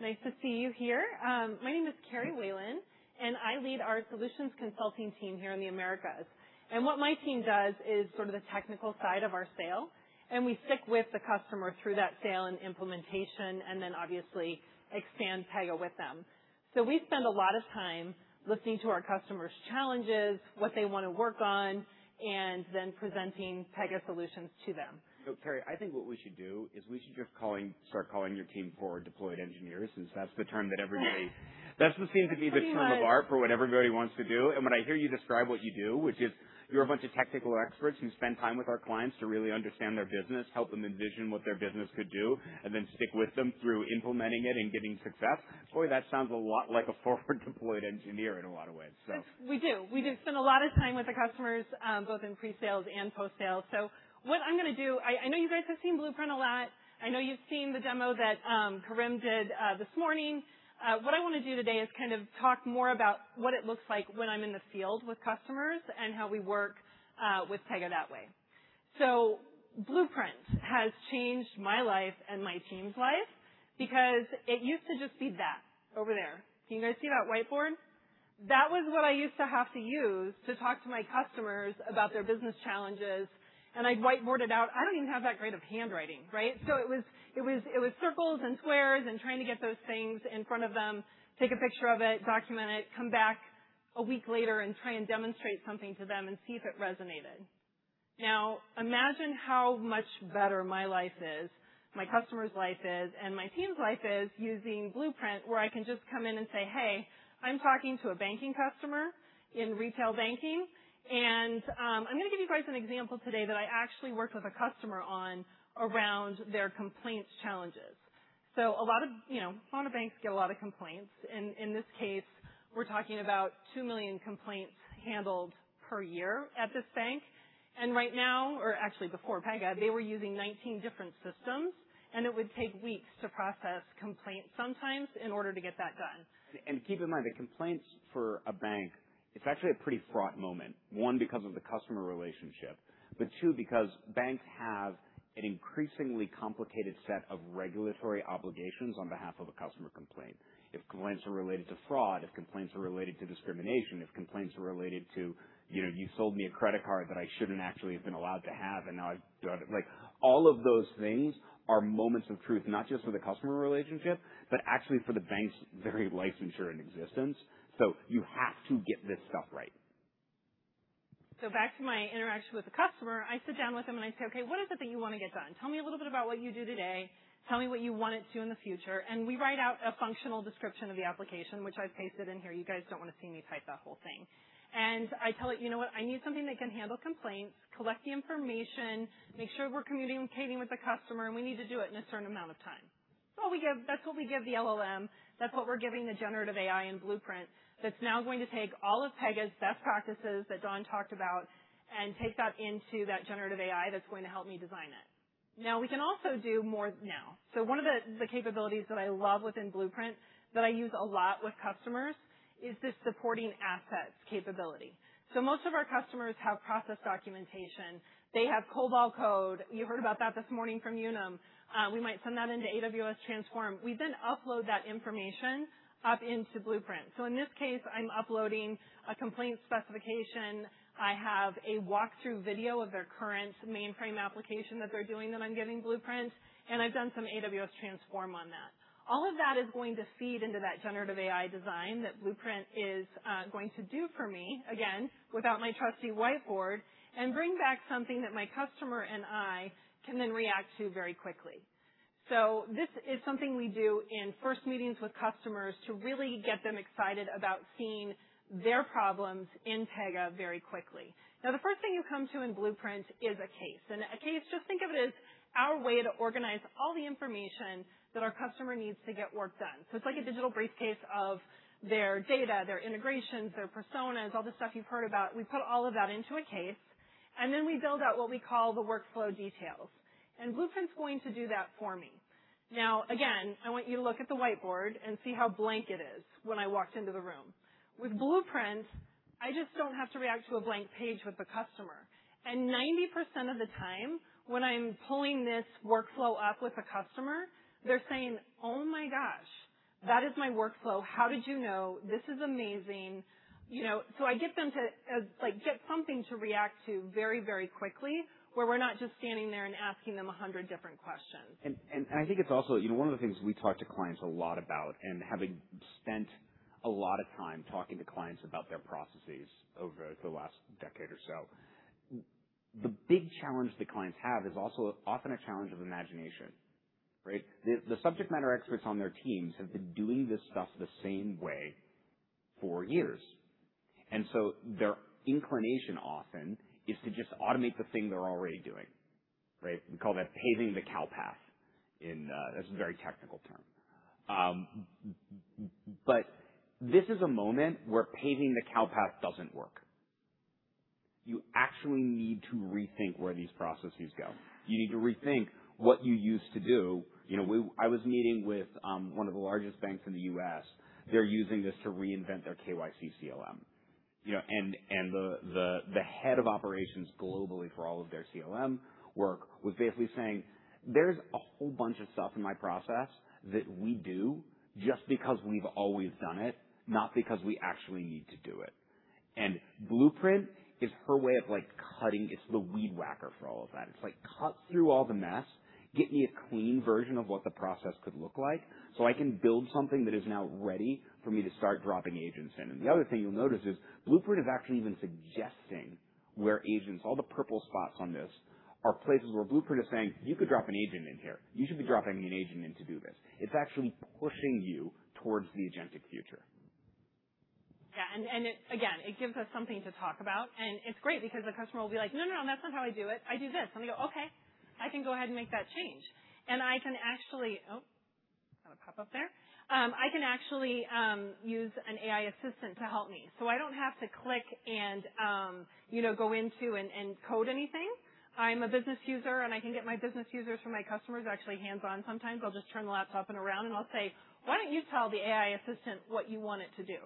Nice to see you here. My name is Carie Whalen, and I lead our solutions consulting team here in the Americas. What my team does is sort of the technical side of our sale, and we stick with the customer through that sale and implementation and then obviously expand Pega with them. We spend a lot of time listening to our customers' challenges, what they want to work on, and then presenting Pega solutions to them. Carie, I think what we should do is we should just start calling your team forward deployed engineers, since that's the term that everybody. Right. That seems to be the term of art for what everybody wants to do. When I hear you describe what you do, which is you're a bunch of technical experts who spend time with our clients to really understand their business, help them envision what their business could do, and then stick with them through implementing it and getting success. Boy, that sounds a lot like a forward deployed engineer in a lot of ways. We do. We do spend a lot of time with the customers, both in pre-sales and post-sales. What I'm going to do, I know you guys have seen Pega Blueprint a lot. I know you've seen the demo that Kerim did this morning. What I want to do today is kind of talk more about what it looks like when I'm in the field with customers and how we work with Pega that way. Pega Blueprint has changed my life and my team's life because it used to just be that over there. Can you guys see that whiteboard? That was what I used to have to use to talk to my customers about their business challenges, and I'd whiteboard it out. I don't even have that great of handwriting, right? It was circles and squares and trying to get those things in front of them, take a picture of it, document it, come back a week later and try and demonstrate something to them and see if it resonated. Now, imagine how much better my life is, my customer's life is, and my team's life is using Pega Blueprint, where I can just come in and say, "Hey, I'm talking to a banking customer in retail banking." I'm going to give you guys an example today that I actually worked with a customer on around their complaints challenges. A lot of banks get a lot of complaints, and in this case, we're talking about 2 million complaints handled per year at this bank. Right now, or actually before Pega, they were using 19 different systems, and it would take weeks to process complaints sometimes in order to get that done. Keep in mind, the complaints for a bank, it's actually a pretty fraught moment. One, because of the customer relationship, but two, because banks have an increasingly complicated set of regulatory obligations on behalf of a customer complaint. If complaints are related to fraud, if complaints are related to discrimination, if complaints are related to, "You sold me a credit card that I shouldn't actually have been allowed to have, and now I" All of those things are moments of truth, not just for the customer relationship, but actually for the bank's very licensure and existence. You have to get this stuff right. Back to my interaction with the customer. I sit down with them, and I say, "Okay, what is it that you want to get done? Tell me a little bit about what you do today. Tell me what you want to do in the future." We write out a functional description of the application, which I've pasted in here. You guys don't want to see me type that whole thing. I tell it, "You know what? I need something that can handle complaints, collect the information, make sure we're communicating with the customer, and we need to do it in a certain amount of time." That's what we give the LLM. That's what we're giving the generative AI in Blueprint. That's now going to take all of Pega's best practices that Don talked about and take that into that generative AI that's going to help me design it. We can also do more now. One of the capabilities that I love within Blueprint that I use a lot with customers is this supporting assets capability. Most of our customers have process documentation. They have COBOL code. You heard about that this morning from Unum. We might send that into AWS Transform. We then upload that information up into Blueprint. In this case, I'm uploading a complaint specification. I have a walk-through video of their current mainframe application that they're doing that I'm giving Blueprint, and I've done some AWS Transform on that. All of that is going to feed into that generative AI design that Blueprint is going to do for me, again, without my trusty whiteboard, and bring back something that my customer and I can then react to very quickly. This is something we do in first meetings with customers to really get them excited about seeing their problems in Pega very quickly. The first thing you come to in Blueprint is a case. A case, just think of it as our way to organize all the information that our customer needs to get work done. It's like a digital briefcase of their data, their integrations, their personas, all the stuff you've heard about. We put all of that into a case, and then we build out what we call the workflow details. Blueprint's going to do that for me. I want you to look at the whiteboard and see how blank it is when I walked into the room. With Blueprint I just don't have to react to a blank page with the customer. 90% of the time when I'm pulling this workflow up with a customer, they're saying, "Oh my gosh, that is my workflow. How did you know? This is amazing." So I get them to get something to react to very quickly, where we're not just standing there and asking them 100 different questions. I think it's also one of the things we talk to clients a lot about, having spent a lot of time talking to clients about their processes over the last decade or so, the big challenge that clients have is also often a challenge of imagination, right? The subject matter experts on their teams have been doing this stuff the same way for years, their inclination often is to just automate the thing they're already doing, right? We call that paving the cow path in That's a very technical term. This is a moment where paving the cow path doesn't work. You actually need to rethink where these processes go. You need to rethink what you used to do. I was meeting with one of the largest banks in the U.S. They're using this to reinvent their KYC CLM. The head of operations globally for all of their CLM work was basically saying, "There's a whole bunch of stuff in my process that we do just because we've always done it, not because we actually need to do it." Blueprint is her way of cutting, it's the weed whacker for all of that. It's like cut through all the mess, get me a clean version of what the process could look like so I can build something that is now ready for me to start dropping agents in. The other thing you'll notice is Blueprint is actually even suggesting where agents, all the purple spots on this are places where Blueprint is saying, "You could drop an agent in here. You should be dropping an agent in to do this." It's actually pushing you towards the agentic future. Yeah. Again, it gives us something to talk about, it's great because the customer will be like, "No, that's not how I do it. I do this." We go, "Okay, I can go ahead and make that change." I can actually use an AI assistant to help me so I don't have to click and go into and code anything. I'm a business user I can get my business users from my customers actually hands-on sometimes. I'll just turn the laptop around and I'll say, "Why don't you tell the AI assistant what you want it to do?"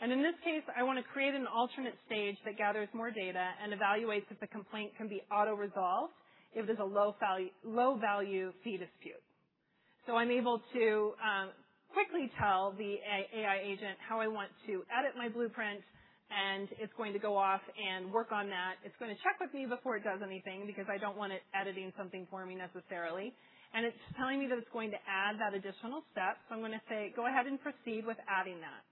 In this case, I want to create an alternate stage that gathers more data and evaluates if the complaint can be auto-resolved if there's a low-value fee dispute. I'm able to quickly tell the AI agent how I want to edit my Blueprint, it's going to go off and work on that. It's going to check with me before it does anything, because I don't want it editing something for me necessarily. It's telling me that it's going to add that additional step, I'm going to say go ahead and proceed with adding that.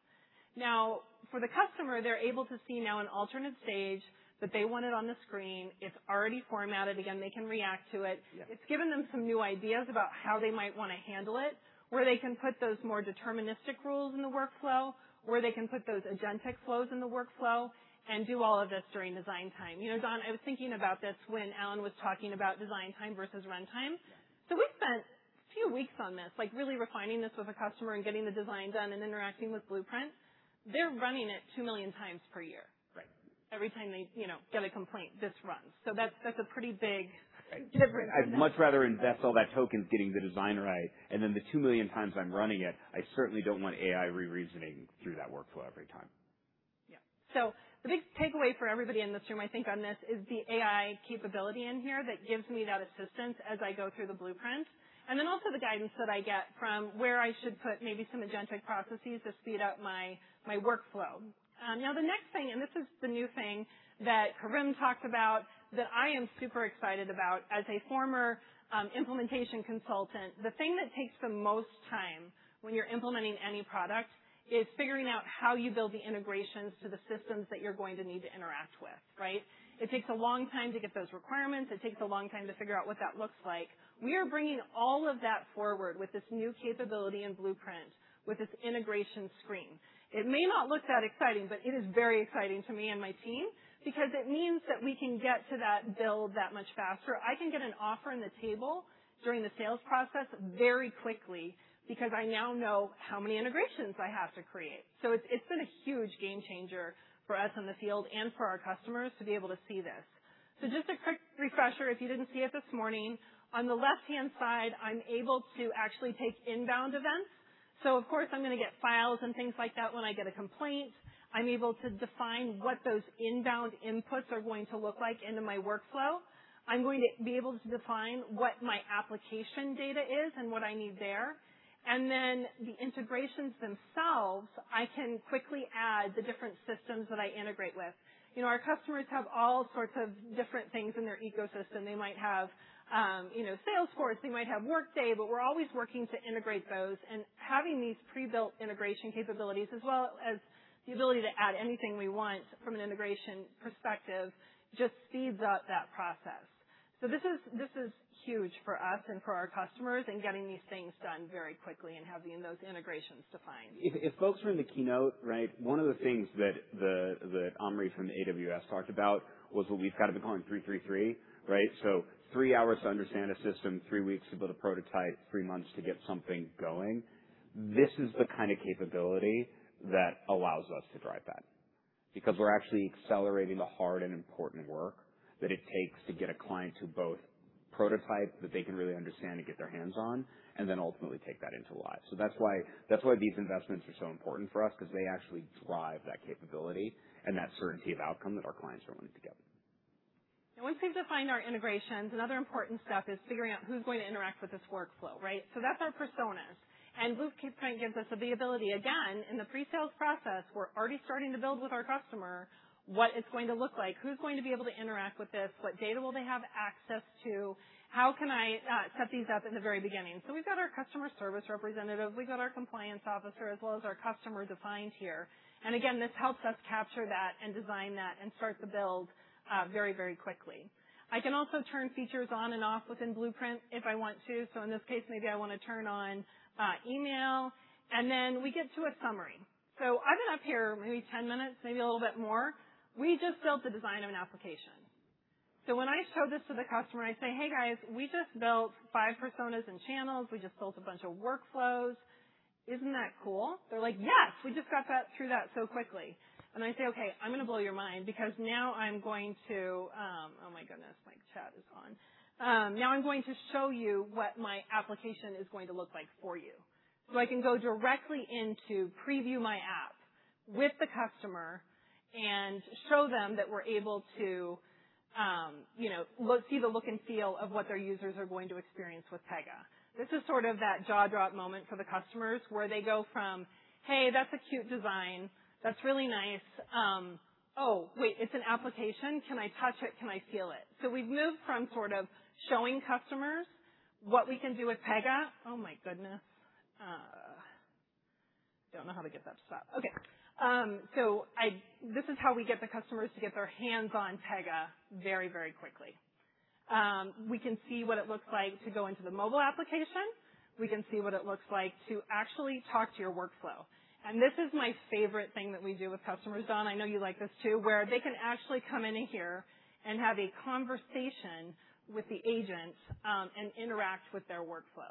For the customer, they're able to see now an alternate stage that they wanted on the screen. It's already formatted. Again, they can react to it. Yeah. It's given them some new ideas about how they might want to handle it, where they can put those more deterministic rules in the workflow, where they can put those agentic flows in the workflow, do all of this during design time. Don, I was thinking about this when Alan was talking about design time versus runtime. We spent a few weeks on this, really refining this with a customer and getting the design done and interacting with Blueprint. They're running it 2 million times per year. Every time they get a complaint, this runs. That's a pretty big difference. I'd much rather invest all that tokens getting the design right and then the 2 million times I'm running it, I certainly don't want AI re-reasoning through that workflow every time. Yeah. The big takeaway for everybody in this room, I think on this is the AI capability in here that gives me that assistance as I go through the Blueprint. Also the guidance that I get from where I should put maybe some Agentic processes to speed up my workflow. The next thing, this is the new thing that Kerim talked about that I am super excited about as a former implementation consultant, the thing that takes the most time when you're implementing any product is figuring out how you build the integrations to the systems that you're going to need to interact with, right? It takes a long time to get those requirements. It takes a long time to figure out what that looks like. We are bringing all of that forward with this new capability in Blueprint with this Integration Screen. It may not look that exciting, it is very exciting to me and my team because it means that we can get to that build that much faster. I can get an offer on the table during the sales process very quickly because I now know how many integrations I have to create. It's been a huge game changer for us in the field and for our customers to be able to see this. Just a quick refresher, if you didn't see it this morning. On the left-hand side, I'm able to actually take inbound events. Of course, I'm going to get files and things like that when I get a complaint. I'm able to define what those inbound inputs are going to look like into my workflow. I'm going to be able to define what my application data is and what I need there. The integrations themselves, I can quickly add the different systems that I integrate with. Our customers have all sorts of different things in their ecosystem. They might have Salesforce, they might have Workday, we're always working to integrate those, having these pre-built integration capabilities as well as the ability to add anything we want from an integration perspective just speeds up that process. This is huge for us and for our customers in getting these things done very quickly and having those integrations defined. If folks were in the keynote, one of the things that Omri from AWS talked about was what we've kind of been calling three three three, right? Three hours to understand a system, three weeks to build a prototype, three months to get something going. This is the kind of capability that allows us to drive that, because we're actually accelerating the hard and important work that it takes to get a client to both Prototype that they can really understand and get their hands on, and then ultimately take that into live. That's why these investments are so important for us, because they actually drive that capability, and that certainty of outcome that our clients are wanting to get. Once we've defined our integrations, another important step is figuring out who's going to interact with this workflow. That's our personas. Blueprint gives us the ability, again, in the pre-sales process, we're already starting to build with our customer what it's going to look like, who's going to be able to interact with this, what data will they have access to, how can I set these up in the very beginning. We've got our customer service representative, we've got our compliance officer, as well as our customer defined here. Again, this helps us capture that and design that and start the build very, very quickly. I can also turn features on and off within Blueprint if I want to. In this case, maybe I want to turn on email. Then we get to a summary. I've been up here maybe 10 minutes, maybe a little bit more. We just built the design of an application. When I show this to the customer and I say, "Hey guys, we just built five personas and channels. We just built a bunch of workflows. Isn't that cool?" They're like, "Yes, we just got through that so quickly." I say, "Okay, I'm going to blow your mind because now I'm going to" Oh my goodness, my chat is on. "Now I'm going to show you what my application is going to look like for you." I can go directly in to preview my app with the customer and show them that we're able to see the look and feel of what their users are going to experience with Pega. This is sort of that jaw-drop moment for the customers where they go from, "Hey, that's a cute design. That's really nice. Oh, wait, it's an application. Can I touch it? Can I feel it?" We've moved from sort of showing customers what we can do with Pega. Oh my goodness. Don't know how to get that to stop. Okay. This is how we get the customers to get their hands on Pega very, very quickly. We can see what it looks like to go into the mobile application. We can see what it looks like to actually talk to your workflow. This is my favorite thing that we do with customers, Don, I know you like this too, where they can actually come in here and have a conversation with the agent, and interact with their workflow.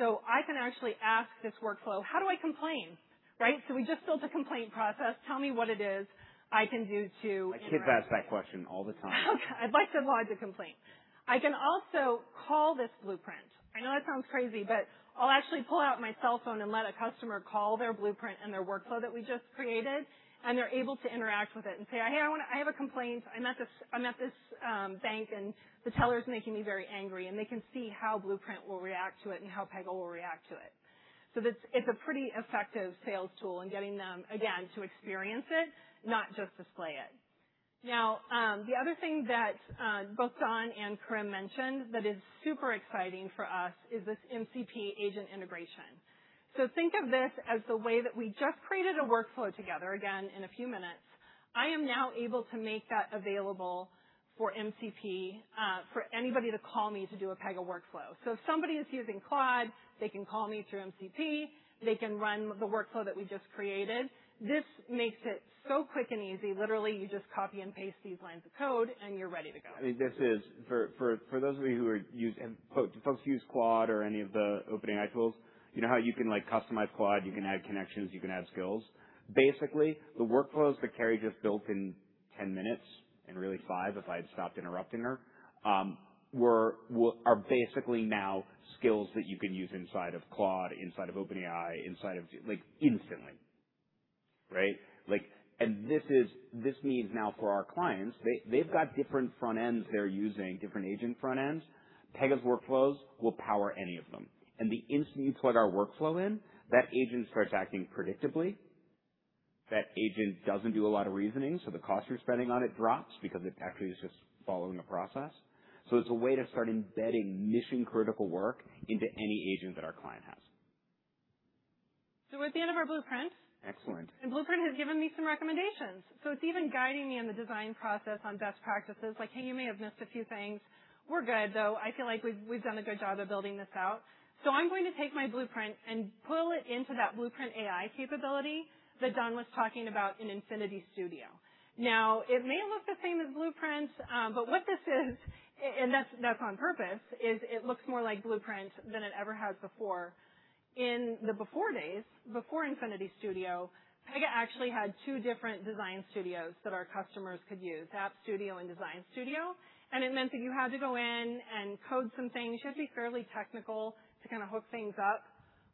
I can actually ask this workflow, how do I complain, right? We just built a complaint process. Tell me what it is I can do to- My kids ask that question all the time. I'd like to lodge a complaint. I can also call this Blueprint. I know that sounds crazy, but I'll actually pull out my cell phone and let a customer call their Blueprint and their workflow that we just created, and they're able to interact with it and say, "Hey, I have a complaint. I'm at this bank, and the teller's making me very angry." They can see how Blueprint will react to it and how Pega will react to it. It's a pretty effective sales tool and getting them, again, to experience it, not just display it. The other thing that, both Don and Kerim mentioned that is super exciting for us is this MCP agent integration. Think of this as the way that we just created a workflow together, again, in a few minutes. I am now able to make that available for MCP, for anybody to call me to do a Pega workflow. If somebody is using Claude, they can call me through MCP. They can run the workflow that we just created. This makes it so quick and easy. Literally, you just copy and paste these lines of code and you're ready to go. For folks who use Claude or any of the OpenAI tools, you know how you can customize Claude, you can add connections, you can add skills. Basically, the workflows that Carie just built in 10 minutes, and really five if I had stopped interrupting her, are basically now skills that you can use inside of Claude, inside of OpenAI, instantly. Right? This means now for our clients, they've got different front ends they're using, different agent front ends. Pega's workflows will power any of them. The instant you plug our workflow in, that agent starts acting predictably. That agent doesn't do a lot of reasoning, so the cost you're spending on it drops because it actually is just following a process. It's a way to start embedding mission-critical work into any agent that our client has. We're at the end of our Blueprint. Excellent. Blueprint has given me some recommendations. It's even guiding me in the design process on best practices, like, "Hey, you may have missed a few things." We're good, though. I feel like we've done a good job of building this out. I'm going to take my Blueprint and pull it into that Blueprint AI capability that Don was talking about in Pega Infinity Studio. It may look the same as Blueprint, but what this is, and that's on purpose, is it looks more like Blueprint than it ever has before. In the before days, before Pega Infinity Studio, Pega actually had two different design studios that our customers could use, App Studio and Designer Studio. It meant that you had to go in and code some things. You had to be fairly technical to kind of hook things up.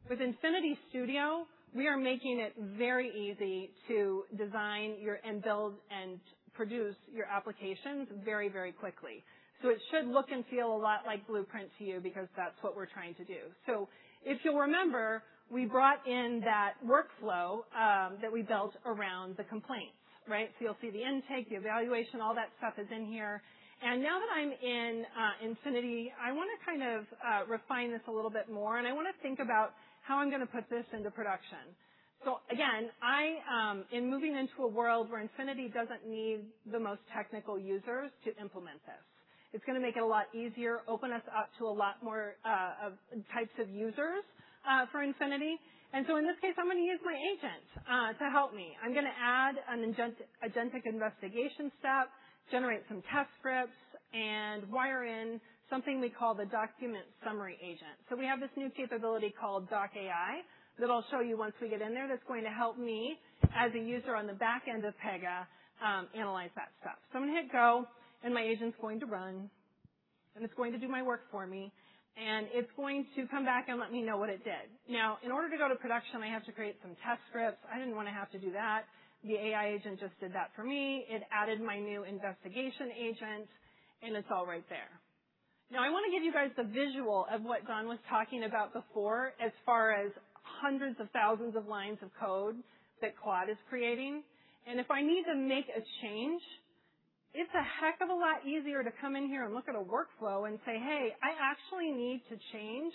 With Pega Infinity Studio, we are making it very easy to design and build and produce your applications very, very quickly. It should look and feel a lot like Blueprint to you because that's what we're trying to do. If you'll remember, we brought in that workflow that we built around the complaints, right? You'll see the intake, the evaluation, all that stuff is in here. Now that I'm in Pega Infinity, I want to kind of refine this a little bit more, and I want to think about how I'm going to put this into production. Again, in moving into a world where Pega Infinity doesn't need the most technical users to implement this, it's going to make it a lot easier, open us up to a lot more types of users for Pega Infinity. In this case, I'm going to use my agent to help me. I'm going to add an agentic investigation step, generate some test scripts, and wire in something we call the document summary agent. We have this new capability called DocAI that I'll show you once we get in there, that's going to help me as a user on the back end of Pega, analyze that stuff. I'm going to hit Go, and my agent's going to runAnd it's going to do my work for me, and it's going to come back and let me know what it did. Now, in order to go to production, I have to create some test scripts. I didn't want to have to do that. The AI agent just did that for me. It added my new investigation agent, and it's all right there. Now, I want to give you guys the visual of what Don was talking about before. As far as hundreds of thousands of lines of code that Claude is creating. If I need to make a change, it's a heck of a lot easier to come in here and look at a workflow and say, "Hey, I actually need to change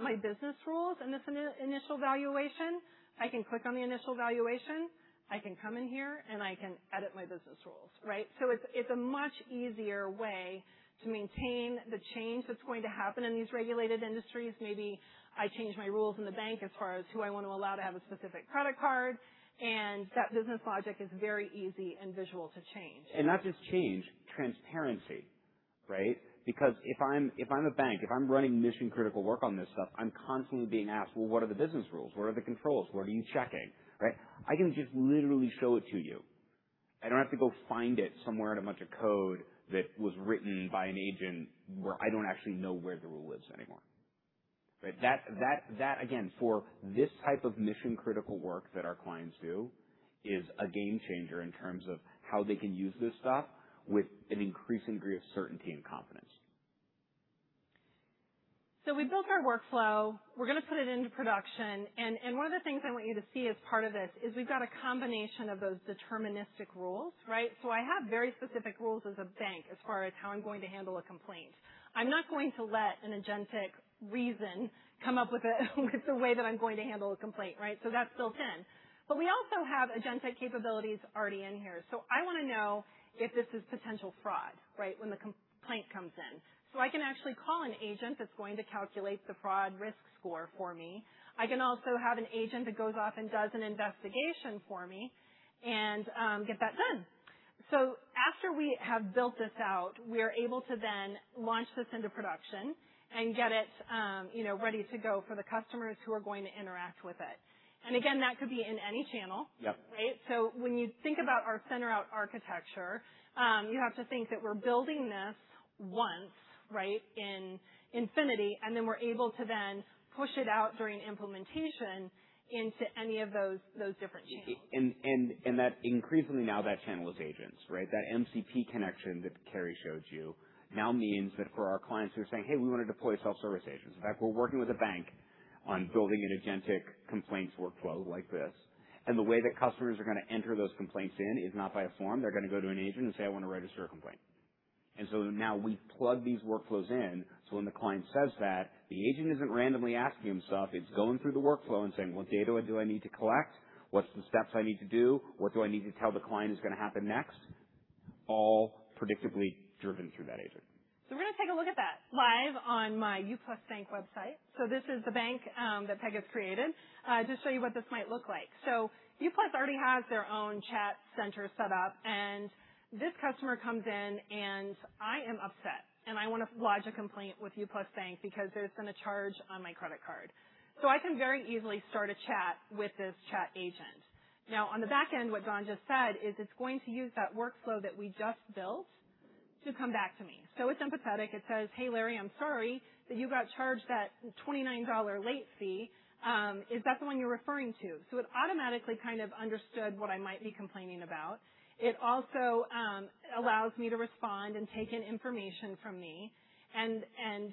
my business rules in this initial valuation." I can click on the initial valuation, I can come in here, and I can edit my business rules. Right? It's a much easier way to maintain the change that's going to happen in these regulated industries. Maybe I change my rules in the bank as far as who I want to allow to have a specific credit card, and that business logic is very easy and visual to change. Not just change, transparency, right? Because if I'm a bank, if I'm running mission-critical work on this stuff, I'm constantly being asked, "Well, what are the business rules? What are the controls? What are you checking?" Right? I can just literally show it to you. I don't have to go find it somewhere in a bunch of code that was written by an agent where I don't actually know where the rule is anymore. Right? That, again, for this type of mission-critical work that our clients do is a game changer in terms of how they can use this stuff with an increasing degree of certainty and confidence. We built our workflow, we're going to put it into production, one of the things I want you to see as part of this is we've got a combination of those deterministic rules, right? I have very specific rules as a bank as far as how I'm going to handle a complaint. I'm not going to let an agentic reason come up with the way that I'm going to handle a complaint, right? That's built in. We also have agentic capabilities already in here. I want to know if this is potential fraud, right, when the complaint comes in. I can actually call an agent that's going to calculate the fraud risk score for me. I can also have an agent that goes off and does an investigation for me and get that done. After we have built this out, we are able to then launch this into production and get it ready to go for the customers who are going to interact with it. Again, that could be in any channel. Yep. Right? When you think about our center-out architecture, you have to think that we're building this once, right, in Infinity, and then we're able to then push it out during implementation into any of those different channels. Increasingly now that channel is agents, right? That MCP connection that Carie showed you now means that for our clients who are saying, "Hey, we want to deploy self-service agents." In fact, we're working with a bank on building an agentic complaints workflow like this, and the way that customers are going to enter those complaints in is not by a form. They're going to go to an agent and say, "I want to register a complaint." Now we plug these workflows in, so when the client says that, the agent isn't randomly asking himself, it's going through the workflow and saying, "What data do I need to collect? What's the steps I need to do? What do I need to tell the client is going to happen next?" All predictably driven through that agent. We're going to take a look at that live on my U+ Bank website. This is the bank that Pega's created, to show you what this might look like. U+ already has their own chat center set up, and this customer comes in, and I am upset, and I want to lodge a complaint with U+ Bank because there's been a charge on my credit card. I can very easily start a chat with this chat agent. Now, on the back end, what Don just said is it's going to use that workflow that we just built to come back to me. It's empathetic. It says, "Hey, Larry, I'm sorry that you got charged that $29 late fee. Is that the one you're referring to?" It automatically kind of understood what I might be complaining about. It also allows me to respond and take in information from me and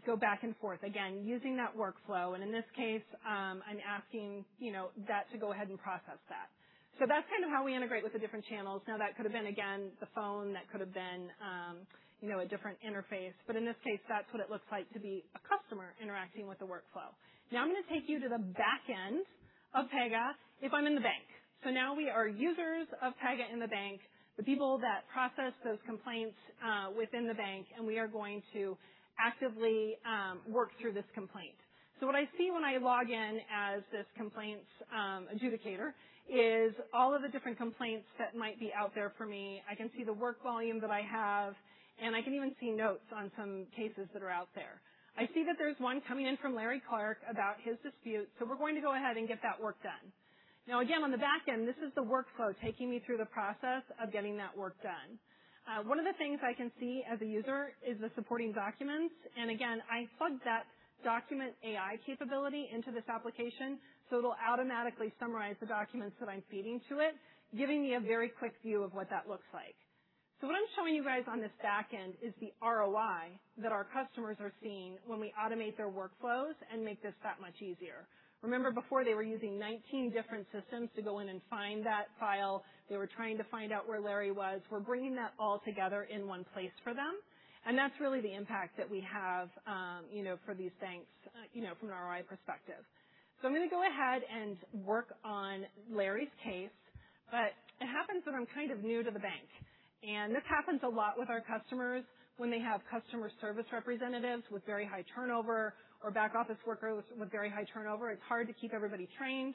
go back and forth, again, using that workflow. In this case, I'm asking that to go ahead and process that. That's kind of how we integrate with the different channels. That could have been, again, the phone, that could have been a different interface. In this case, that's what it looks like to be a customer interacting with the workflow. I'm going to take you to the back end of Pega if I'm in the bank. We are users of Pega in the bank, the people that process those complaints within the bank, and we are going to actively work through this complaint. What I see when I log in as this complaints adjudicator is all of the different complaints that might be out there for me. I can see the work volume that I have, and I can even see notes on some cases that are out there. I see that there's one coming in from Larry Clark about his dispute, we're going to go ahead and get that work done. Again, on the back end, this is the workflow taking me through the process of getting that work done. One of the things I can see as a user is the supporting documents. Again, I plugged that DocAI capability into this application, it'll automatically summarize the documents that I'm feeding to it, giving me a very quick view of what that looks like. What I'm showing you guys on this back end is the ROI that our customers are seeing when we automate their workflows and make this that much easier. Remember before they were using 19 different systems to go in and find that file. They were trying to find out where Larry was. We're bringing that all together in one place for them, and that's really the impact that we have for these banks from an ROI perspective. I'm going to go ahead and work on Larry's case. It happens that I'm kind of new to the bank, this happens a lot with our customers when they have customer service representatives with very high turnover or back office workers with very high turnover. It's hard to keep everybody trained.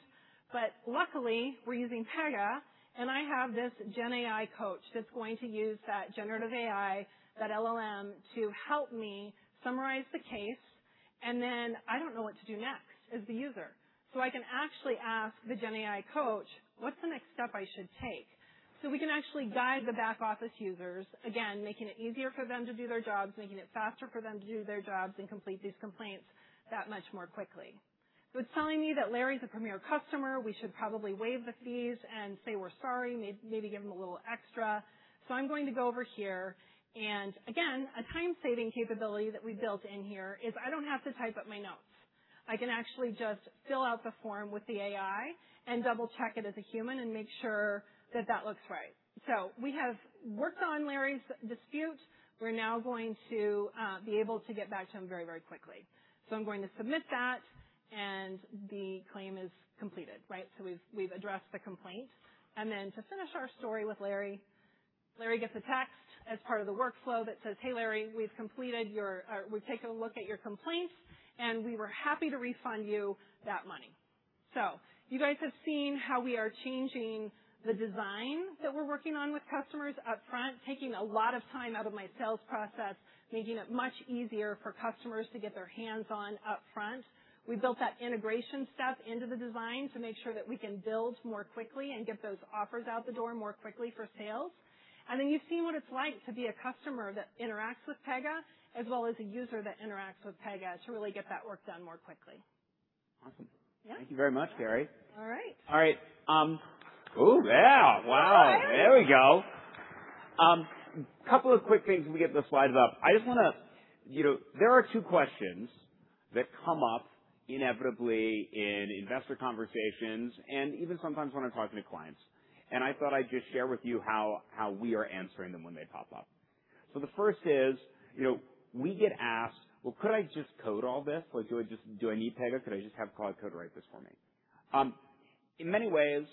Luckily, we're using Pega, I have this GenAI coach that's going to use that generative AI, that LLM, to help me summarize the case. Then I don't know what to do next as the user. I can actually ask the GenAI coach, "What's the next step I should take?" We can actually guide the back office users, again, making it easier for them to do their jobs, making it faster for them to do their jobs, and complete these complaints that much more quickly. It's telling me that Larry's a premier customer. We should probably waive the fees and say we're sorry, maybe give him a little extra. I'm going to go over here, again, a time-saving capability that we built in here is I don't have to type up my notes. I can actually just fill out the form with the AI and double-check it as a human and make sure that that looks right. We have worked on Larry's dispute. We're now going to be able to get back to him very quickly. I'm going to submit that, and the claim is completed, right? We've addressed the complaint. To finish our story with Larry gets a text as part of the workflow that says, "Hey, Larry, we've taken a look at your complaint, and we were happy to refund you that money." You guys have seen how we are changing the design that we're working on with customers upfront, taking a lot of time out of my sales process, making it much easier for customers to get their hands on upfront. We built that integration step into the design to make sure that we can build more quickly and get those offers out the door more quickly for sales. You've seen what it's like to be a customer that interacts with Pega, as well as a user that interacts with Pega to really get that work done more quickly. Awesome. Thank you very much, Carie. All right. All right. Ooh, yeah. Wow. There we go. Couple of quick things as we get the slides up. There are two questions that come up inevitably in investor conversations, and even sometimes when I'm talking to clients. I thought I'd just share with you how we are answering them when they pop up. The first is, we get asked, "Well, could I just code all this?" Like, "Do I need Pega? Could I just have Claude Code write this for me?" In many ways,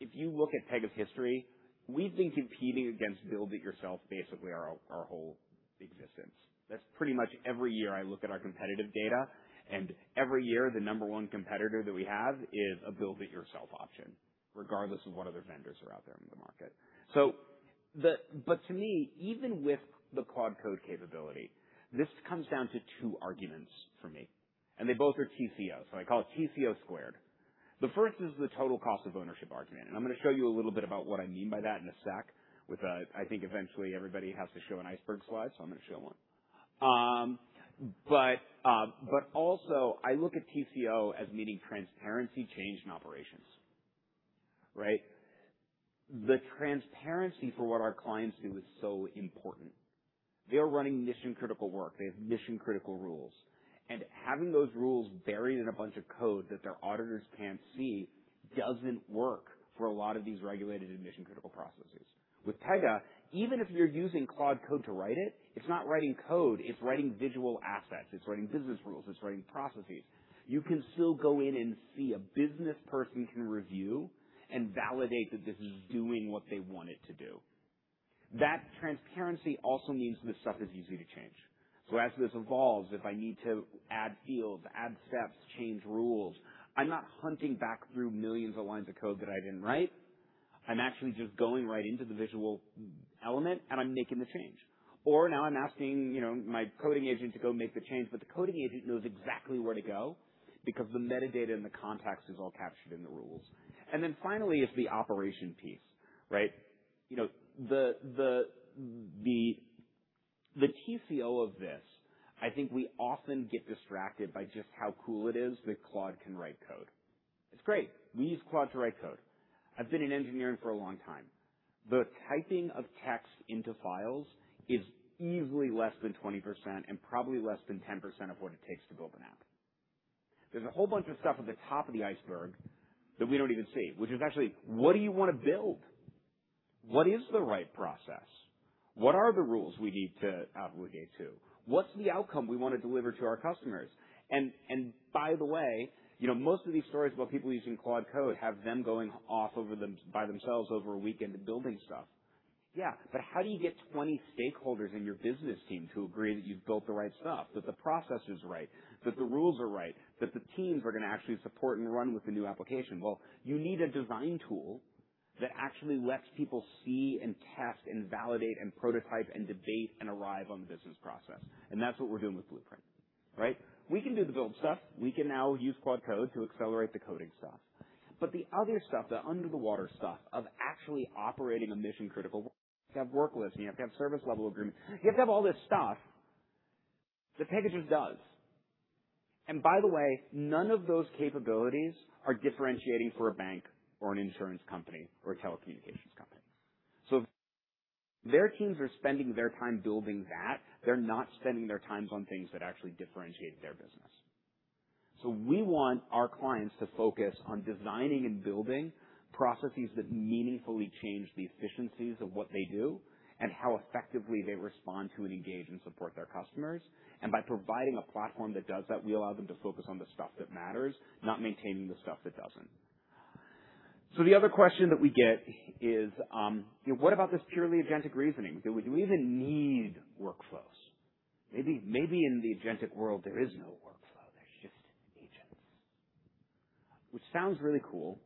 if you look at Pega's history, we've been competing against build-it-yourself basically our whole existence. That's pretty much every year I look at our competitive data, and every year, the number one competitor that we have is a build-it-yourself option, regardless of what other vendors are out there in the market. To me, even with the Claude Code capability, this comes down to two arguments for me, and they both are TCO, so I call it TCO squared. The first is the total cost of ownership argument, I'm going to show you a little bit about what I mean by that in a sec. I think eventually everybody has to show an iceberg slide, so I'm going to show one. Also, I look at TCO as meaning transparency, change, and operations, right? The transparency for what our clients do is so important. They are running mission-critical work. They have mission-critical rules, and having those rules buried in a bunch of code that their auditors can't see doesn't work for a lot of these regulated and mission-critical processes. With Pega, even if you're using Claude Code to write it's not writing code, it's writing visual assets. It's writing business rules. It's writing processes. You can still go in and see a business person can review and validate that this is doing what they want it to do. That transparency also means this stuff is easy to change. As this evolves, if I need to add fields, add steps, change rules, I'm not hunting back through millions of lines of code that I didn't write. I'm actually just going right into the visual element, and I'm making the change. Or now I'm asking my coding agent to go make the change, but the coding agent knows exactly where to go because the metadata and the context is all captured in the rules. Finally is the operation piece, right? The TCO of this, I think we often get distracted by just how cool it is that Claude can write code. It's great. We use Claude to write code. I've been in engineering for a long time. The typing of text into files is easily less than 20% and probably less than 10% of what it takes to build an app. There's a whole bunch of stuff at the top of the iceberg that we don't even see, which is actually, what do you want to build? What is the right process? What are the rules we need to obligate to? What's the outcome we want to deliver to our customers? By the way, most of these stories about people using Claude Code have them going off by themselves over a weekend and building stuff. Yeah, how do you get 20 stakeholders in your business team to agree that you've built the right stuff, that the process is right, that the rules are right, that the teams are going to actually support and run with the new application? Well, you need a design tool that actually lets people see and test and validate and prototype and debate and arrive on the business process. That's what we're doing with Pega Blueprint, right? We can do the build stuff. We can now use Claude Code to accelerate the coding stuff. The other stuff, the under-the-water stuff of actually operating a mission critical, you have work lists, and you have to have service level agreements. You have to have all this stuff that Pega just does. By the way, none of those capabilities are differentiating for a bank or an insurance company or a telecommunications company. Their teams are spending their time building that. They're not spending their times on things that actually differentiate their business. We want our clients to focus on designing and building processes that meaningfully change the efficiencies of what they do and how effectively they respond to and engage and support their customers. By providing a platform that does that, we allow them to focus on the stuff that matters, not maintaining the stuff that doesn't. The other question that we get is, what about this purely agentic reasoning? Do we even need workflows? Maybe in the agentic world, there is no workflow. Which sounds really cool,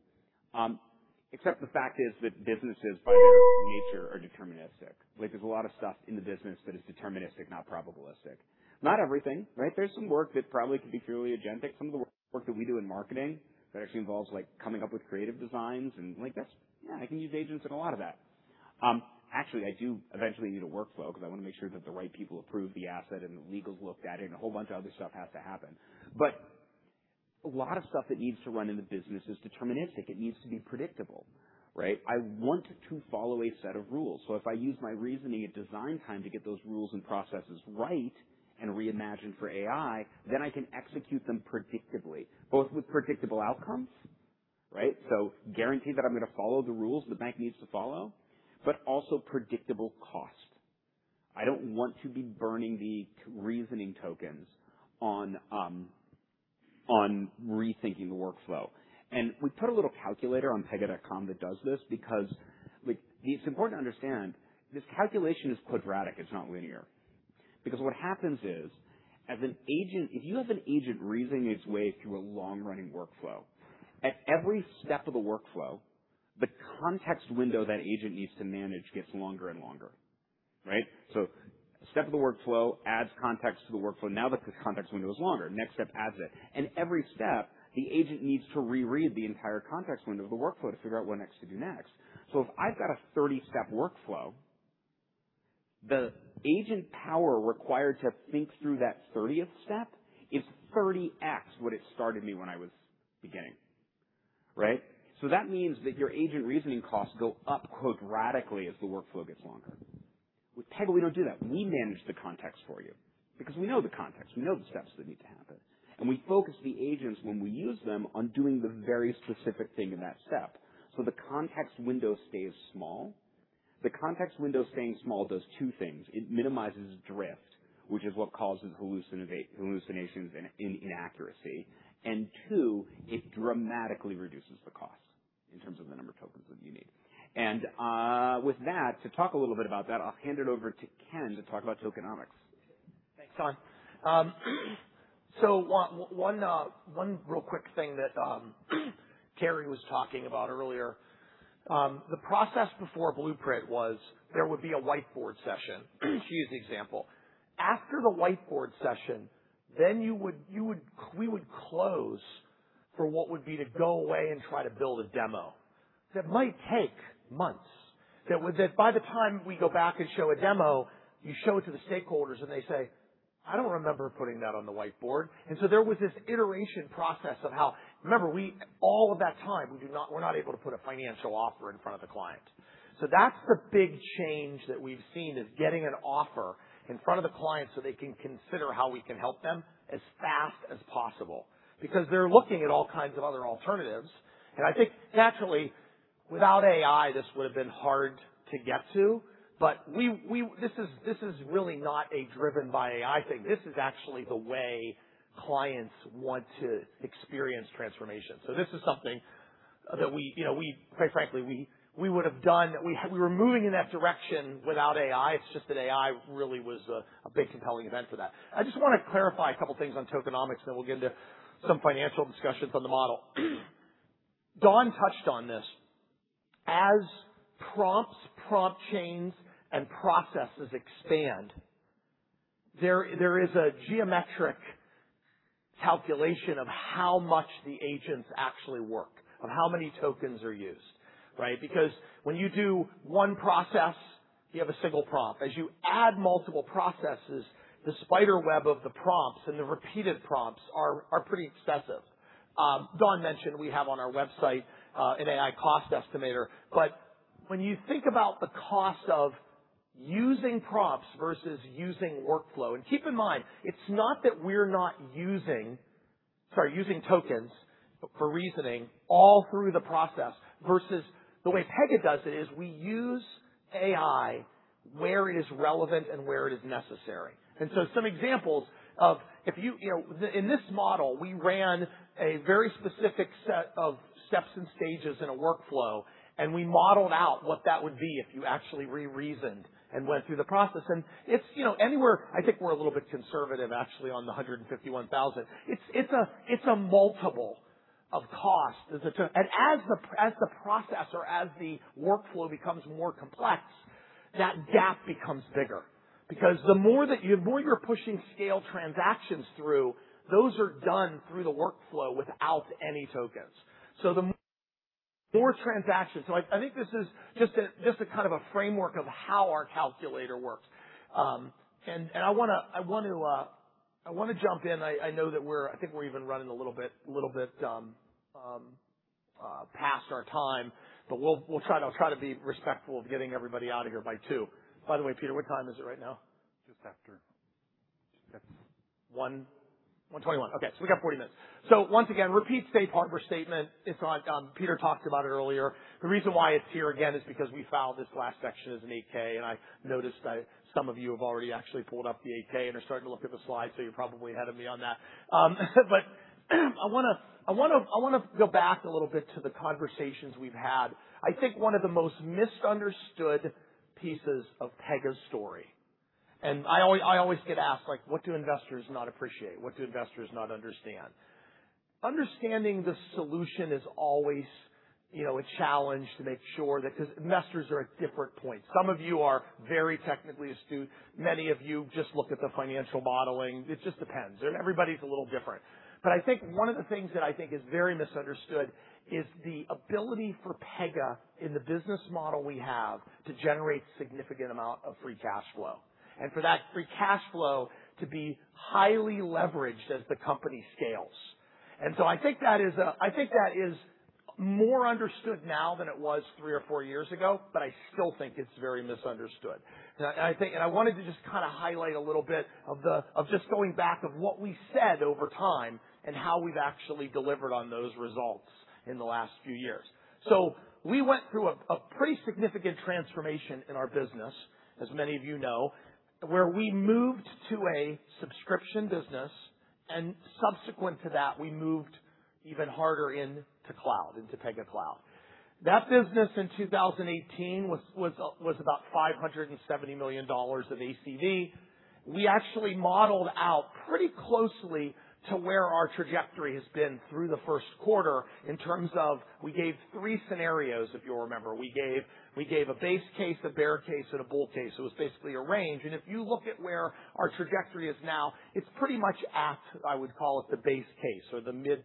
except the fact is that businesses by their nature are deterministic. There is a lot of stuff in the business that is deterministic, not probabilistic. Not everything. There is some work that probably could be purely agentic. Some of the work that we do in marketing that actually involves coming up with creative designs and like that, yeah, I can use agents in a lot of that. Actually, I do eventually need a workflow because I want to make sure that the right people approve the asset and that legal's looked at it and a whole bunch of other stuff has to happen. A lot of stuff that needs to run in the business is deterministic. It needs to be predictable. I want to follow a set of rules. If I use my reasoning at design time to get those rules and processes right and reimagine for AI, then I can execute them predictably, both with predictable outcomes. Guarantee that I'm going to follow the rules the bank needs to follow, but also predictable cost. I don't want to be burning the reasoning tokens on rethinking the workflow. We put a little calculator on pega.com that does this because it's important to understand this calculation is quadratic, it's not linear. What happens is, if you have an agent reasoning its way through a long-running workflow, at every step of the workflow, the context window that agent needs to manage gets longer and longer. Step of the workflow adds context to the workflow. Now the context window is longer. Next step adds it. Every step, the agent needs to reread the entire context window of the workflow to figure out what next to do next. If I've got a 30-step workflow, the agent power required to think through that 30th step is 30x what it started me when I was beginning. That means that your agent reasoning costs go up quadratically as the workflow gets longer. With Pega, we don't do that. We manage the context for you because we know the context, we know the steps that need to happen, and we focus the agents when we use them on doing the very specific thing in that step. The context window stays small. The context window staying small does two things. It minimizes drift, which is what causes hallucinations and inaccuracy. Two, it dramatically reduces the cost in terms of the number of tokens that you need. With that, to talk a little bit about that, I'll hand it over to Ken to talk about tokenomics. Thanks, Don. One real quick thing that Carie was talking about earlier. The process before Blueprint was there would be a whiteboard session to use the example. After the whiteboard session, then we would close for what would be to go away and try to build a demo that might take months, that by the time we go back and show a demo, you show it to the stakeholders and they say, "I don't remember putting that on the whiteboard." There was this iteration process of how Remember, all of that time, we're not able to put a financial offer in front of the client. That's the big change that we've seen is getting an offer in front of the client so they can consider how we can help them as fast as possible, because they're looking at all kinds of other alternatives. I think naturally, without AI, this would have been hard to get to, but this is really not a driven-by-AI thing. This is actually the way clients want to experience transformation. This is something that quite frankly, we would have done. We were moving in that direction without AI. It's just that AI really was a big compelling event for that. I just want to clarify a couple of things on tokenomics, then we'll get into some financial discussions on the model. Don touched on this. As prompts, prompt chains, and processes expand, there is a geometric calculation of how much the agents actually work, of how many tokens are used. Because when you do one process, you have a single prompt. As you add multiple processes, the spider web of the prompts and the repeated prompts are pretty excessive. Don mentioned we have on our website an AI cost estimator. When you think about the cost of using prompts versus using workflow, and keep in mind, it's not that we're not using tokens for reasoning all through the process versus the way Pega does it is we use AI where it is relevant and where it is necessary. Some examples of, in this model, we ran a very specific set of steps and stages in a workflow, and we modeled out what that would be if you actually re-reasoned and went through the process. It's anywhere, I think we're a little bit conservative, actually, on the 151,000. It's a multiple of cost. As the process or as the workflow becomes more complex, that gap becomes bigger. Because the more you're pushing scale transactions through, those are done through the workflow without any tokens. The more transactions. I think this is just a kind of a framework of how our calculator works. I want to jump in. I think we're even running a little bit past our time, but I'll try to be respectful of getting everybody out of here by 2:00 P.M. By the way, Peter, what time is it right now? Just after. 1:21. Okay, we got 40 minutes. Once again, repeat safe harbor statement. Peter talked about it earlier. The reason why it's here again is because we filed this last section as an 8-K, and I noticed that some of you have already actually pulled up the 8-K and are starting to look at the slides, so you're probably ahead of me on that. I want to go back a little bit to the conversations we've had. I think one of the most misunderstood pieces of Pega's story. I always get asked, "What do investors not appreciate? What do investors not understand?" Understanding the solution is always a challenge to make sure that because investors are at different points. Some of you are very technically astute. Many of you just look at the financial modeling. It just depends, and everybody's a little different. I think one of the things that I think is very misunderstood is the ability for Pega in the business model we have to generate significant amount of free cash flow, and for that free cash flow to be highly leveraged as the company scales. I think that is more understood now than it was three or four years ago, but I still think it's very misunderstood. I wanted to just highlight a little bit of just going back of what we said over time and how we've actually delivered on those results in the last few years. We went through a pretty significant transformation in our business, as many of you know, where we moved to a subscription business, and subsequent to that, we moved even harder into Pega Cloud. That business in 2018 was about $570 million of ACV. We actually modeled out pretty closely to where our trajectory has been through the first quarter in terms of we gave three scenarios, if you'll remember. We gave a base case, a bear case, and a bull case. It was basically a range. If you look at where our trajectory is now, it is pretty much at, I would call it, the base case or the mid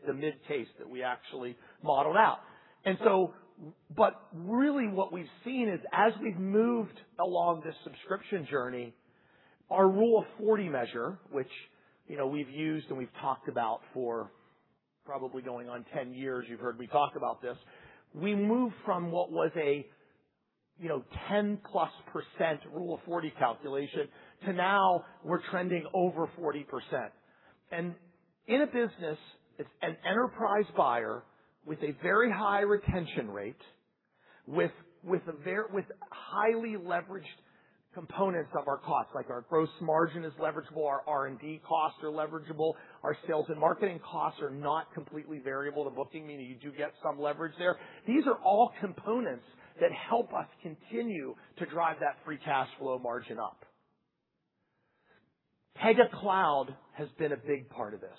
case that we actually modeled out. Really what we have seen is as we have moved along this subscription journey, our Rule of 40 measure, which we have used and we have talked about for probably going on 10 years, you have heard me talk about this. We moved from what was a 10+% Rule of 40 calculation to now we are trending over 40%. In a business, it is an enterprise buyer with a very high retention rate, with highly leveraged components of our costs, like our gross margin is leverageable, our R&D costs are leverageable, our sales and marketing costs are not completely variable to booking, meaning you do get some leverage there. These are all components that help us continue to drive that free cash flow margin up. Pega Cloud has been a big part of this.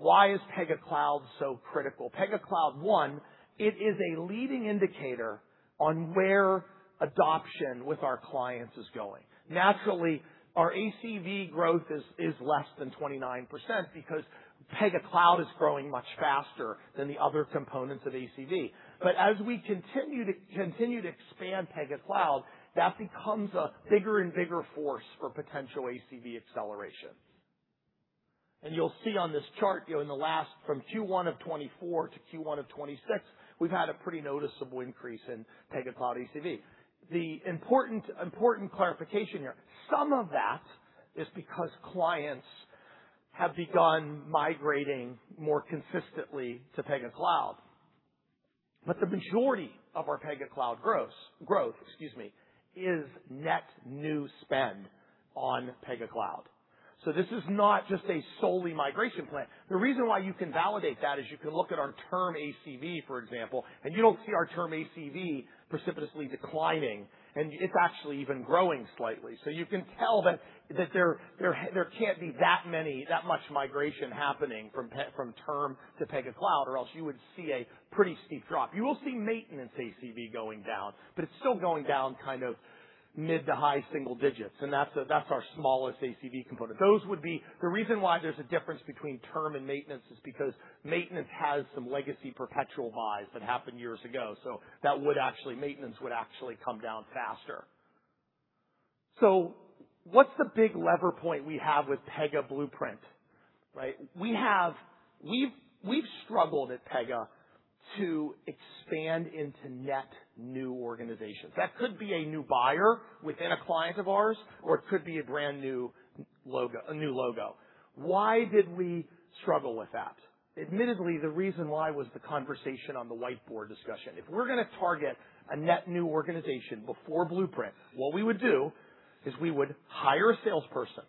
Why is Pega Cloud so critical? Pega Cloud, one, it is a leading indicator on where adoption with our clients is going. Naturally, our ACV growth is less than 29% because Pega Cloud is growing much faster than the other components of ACV. As we continue to expand Pega Cloud, that becomes a bigger and bigger force for potential ACV acceleration. You will see on this chart, from Q1 of 2024 to Q1 of 2026, we have had a pretty noticeable increase in Pega Cloud ACV. The important clarification here, some of that is because clients have begun migrating more consistently to Pega Cloud. The majority of our Pega Cloud growth is net new spend on Pega Cloud. This is not just a solely migration plan. The reason why you can validate that is you can look at our term ACV, for example, and you do not see our term ACV precipitously declining, and it is actually even growing slightly. You can tell that there cannot be that much migration happening from term to Pega Cloud, or else you would see a pretty steep drop. You will see maintenance ACV going down, but it is still going down mid to high single digits, and that is our smallest ACV component. The reason why there is a difference between term and maintenance is because maintenance has some legacy perpetual buys that happened years ago. Maintenance would actually come down faster. What is the big lever point we have with Pega Blueprint? We have struggled at Pega to expand into net new organizations. That could be a new buyer within a client of ours, or it could be a brand new logo. Why did we struggle with that? Admittedly, the reason why was the conversation on the whiteboard discussion. If we are going to target a net new organization before Blueprint, what we would do is we would hire a salesperson.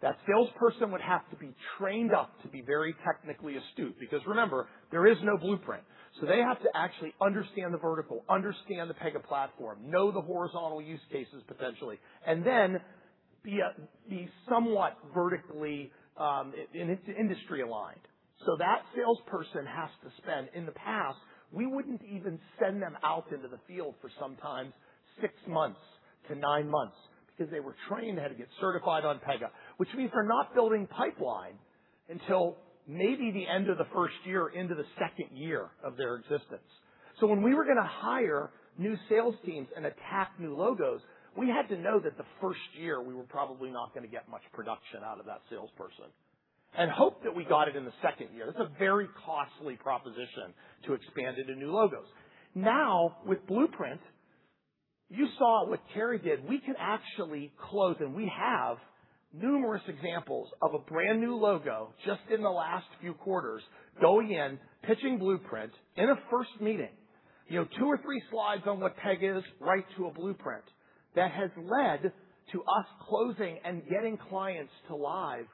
That salesperson would have to be trained up to be very technically astute because remember, there is no Blueprint. They have to actually understand the vertical, understand the Pega platform, know the horizontal use cases potentially, and then be somewhat vertically industry aligned. That salesperson has to spend. In the past, we wouldn't even send them out into the field for sometimes six months to nine months because they were trained, they had to get certified on Pega, which means they're not building pipeline until maybe the end of the first year into the second year of their existence. When we were going to hire new sales teams and attack new logos, we had to know that the first year we were probably not going to get much production out of that salesperson and hope that we got it in the second year. That's a very costly proposition to expand into new logos. Now, with Blueprint, you saw what Carie did. We can actually close, we have numerous examples of a brand new logo just in the last few quarters going in, pitching Blueprint in a first meeting. Two or three slides on what Pega is right to a blueprint that has led to us closing and getting clients to live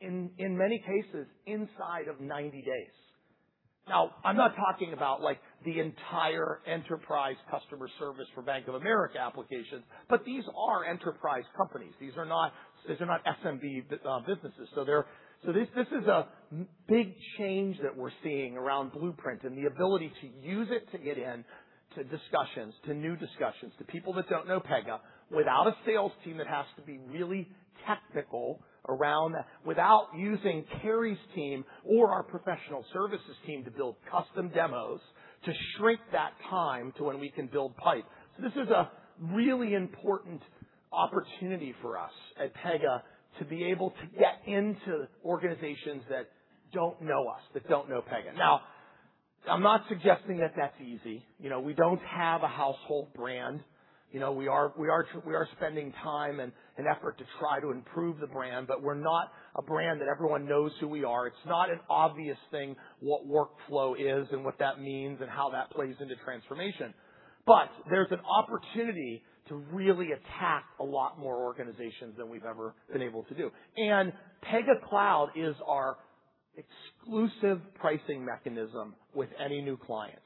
in many cases inside of 90 days. I'm not talking about the entire enterprise customer service for Bank of America applications, but these are enterprise companies. These are not SMB businesses. This is a big change that we're seeing around Blueprint and the ability to use it to get in to discussions, to new discussions, to people that don't know Pega, without a sales team that has to be really technical around, without using Carie's team or our professional services team to build custom demos to shrink that time to when we can build pipe. This is a really important opportunity for us at Pega to be able to get into organizations that don't know us, that don't know Pega. I'm not suggesting that that's easy. We don't have a household brand. We are spending time and effort to try to improve the brand, but we're not a brand that everyone knows who we are. It's not an obvious thing what workflow is and what that means and how that plays into transformation. There's an opportunity to really attack a lot more organizations than we've ever been able to do. Pega Cloud is our exclusive pricing mechanism with any new client.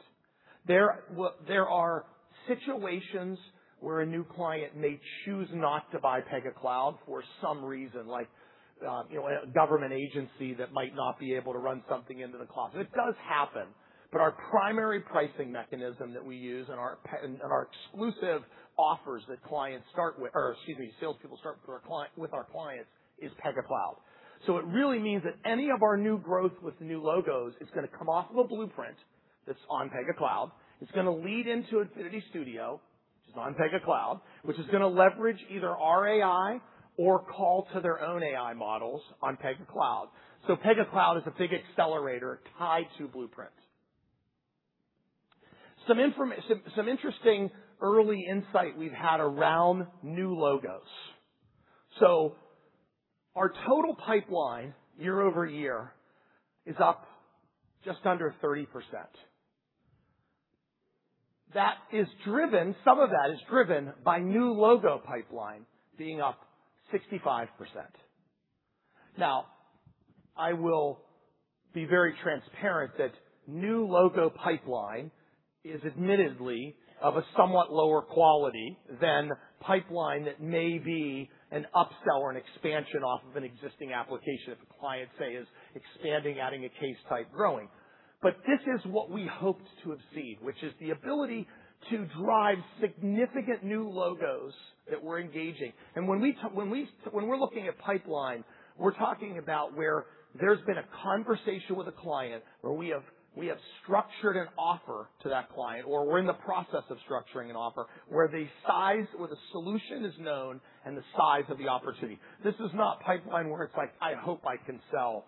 There are situations where a new client may choose not to buy Pega Cloud for some reason, like a government agency that might not be able to run something into the cloud. It does happen, our primary pricing mechanism that we use and our exclusive offers that salespeople start with our clients is Pega Cloud. It really means that any of our new growth with new logos is going to come off of a Blueprint that's on Pega Cloud. It's going to lead into Infinity Studio, which is on Pega Cloud, which is going to leverage either our AI or call to their own AI models on Pega Cloud. Pega Cloud is a big accelerator tied to Blueprint. Some interesting early insight we've had around new logos. Our total pipeline year-over-year is up just under 30%. Some of that is driven by new logo pipeline being up 65%. I will be very transparent that new logo pipeline is admittedly of a somewhat lower quality than pipeline that may be an upsell or an expansion off of an existing application if a client, say, is expanding, adding a case type, growing. This is what we hoped to have seen, which is the ability to drive significant new logos that we are engaging. When we are looking at pipeline, we are talking about where there has been a conversation with a client where we have structured an offer to that client, or we are in the process of structuring an offer where the solution is known and the size of the opportunity. This is not pipeline where it is like, I hope I can sell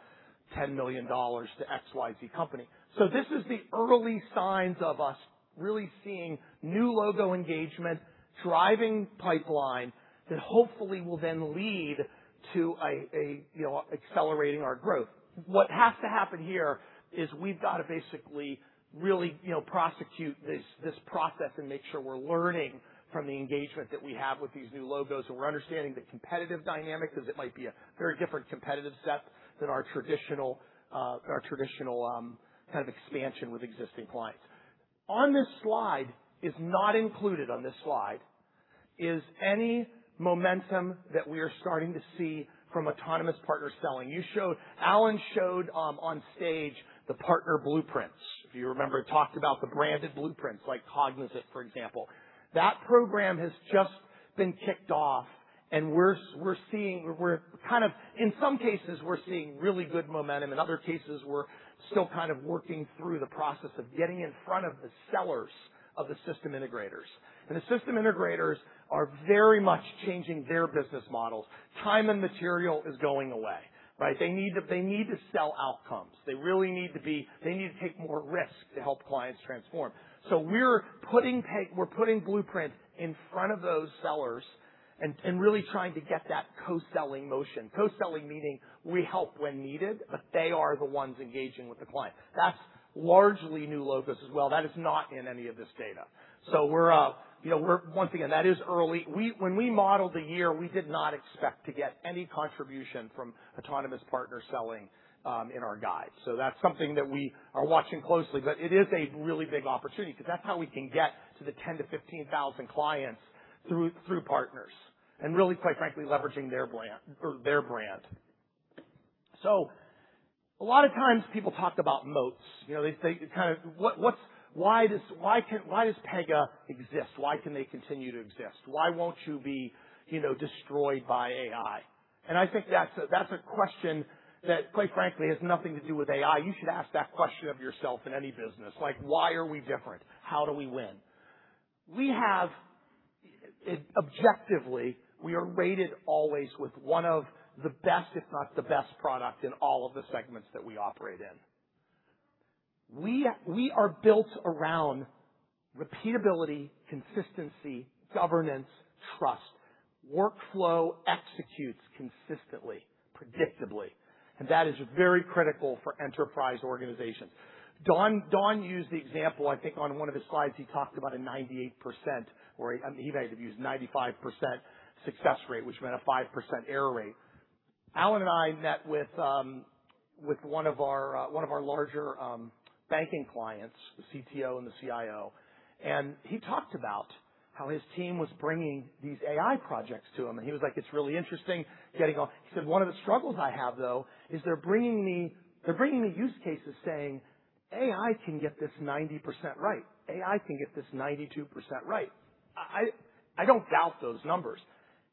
$10 million to XYZ company. This is the early signs of us really seeing new logo engagement, driving pipeline that hopefully will then lead to accelerating our growth. What has to happen here is we have got to basically really prosecute this process and make sure we are learning from the engagement that we have with these new logos, and we are understanding the competitive dynamic because it might be a very different competitive set than our traditional kind of expansion with existing clients. On this slide, is not included on this slide, is any momentum that we are starting to see from autonomous partner selling. Alan showed on stage the partner Blueprints. If you remember, he talked about the branded Blueprints like Cognizant, for example. That program has just been kicked off, and in some cases, we are seeing really good momentum. In other cases, we are still kind of working through the process of getting in front of the sellers of the system integrators. The system integrators are very much changing their business models. Time and material is going away, right? They need to sell outcomes. They need to take more risk to help clients transform. We are putting Blueprints in front of those sellers and really trying to get that co-selling motion. Co-selling meaning we help when needed, but they are the ones engaging with the client. That is largely new logos as well. That is not in any of this data. Once again, that is early. When we modeled the year, we did not expect to get any contribution from autonomous partner selling in our guide. That is something that we are watching closely, but it is a really big opportunity because that is how we can get to the 10,000-15,000 clients through partners and really, quite frankly, leveraging their brand. A lot of times people talk about moats. Why does Pega exist? Why can they continue to exist? Why won't you be destroyed by AI? I think that is a question that, quite frankly, has nothing to do with AI. You should ask that question of yourself in any business. Why are we different? How do we win? Objectively, we are rated always with one of the best, if not the best product in all of the segments that we operate in. We are built around repeatability, consistency, governance, trust. Workflow executes consistently, predictably, and that is very critical for enterprise organizations. Don used the example, I think, on one of his slides, he talked about a 98%, or he might have used 95% success rate, which meant a 5% error rate. Alan and I met with one of our larger banking clients, the CTO and the CIO, and he talked about how his team was bringing these AI projects to him. He said, "One of the struggles I have, though, is they're bringing me use cases saying, 'AI can get this 90% right. AI can get this 92% right.'" I don't doubt those numbers.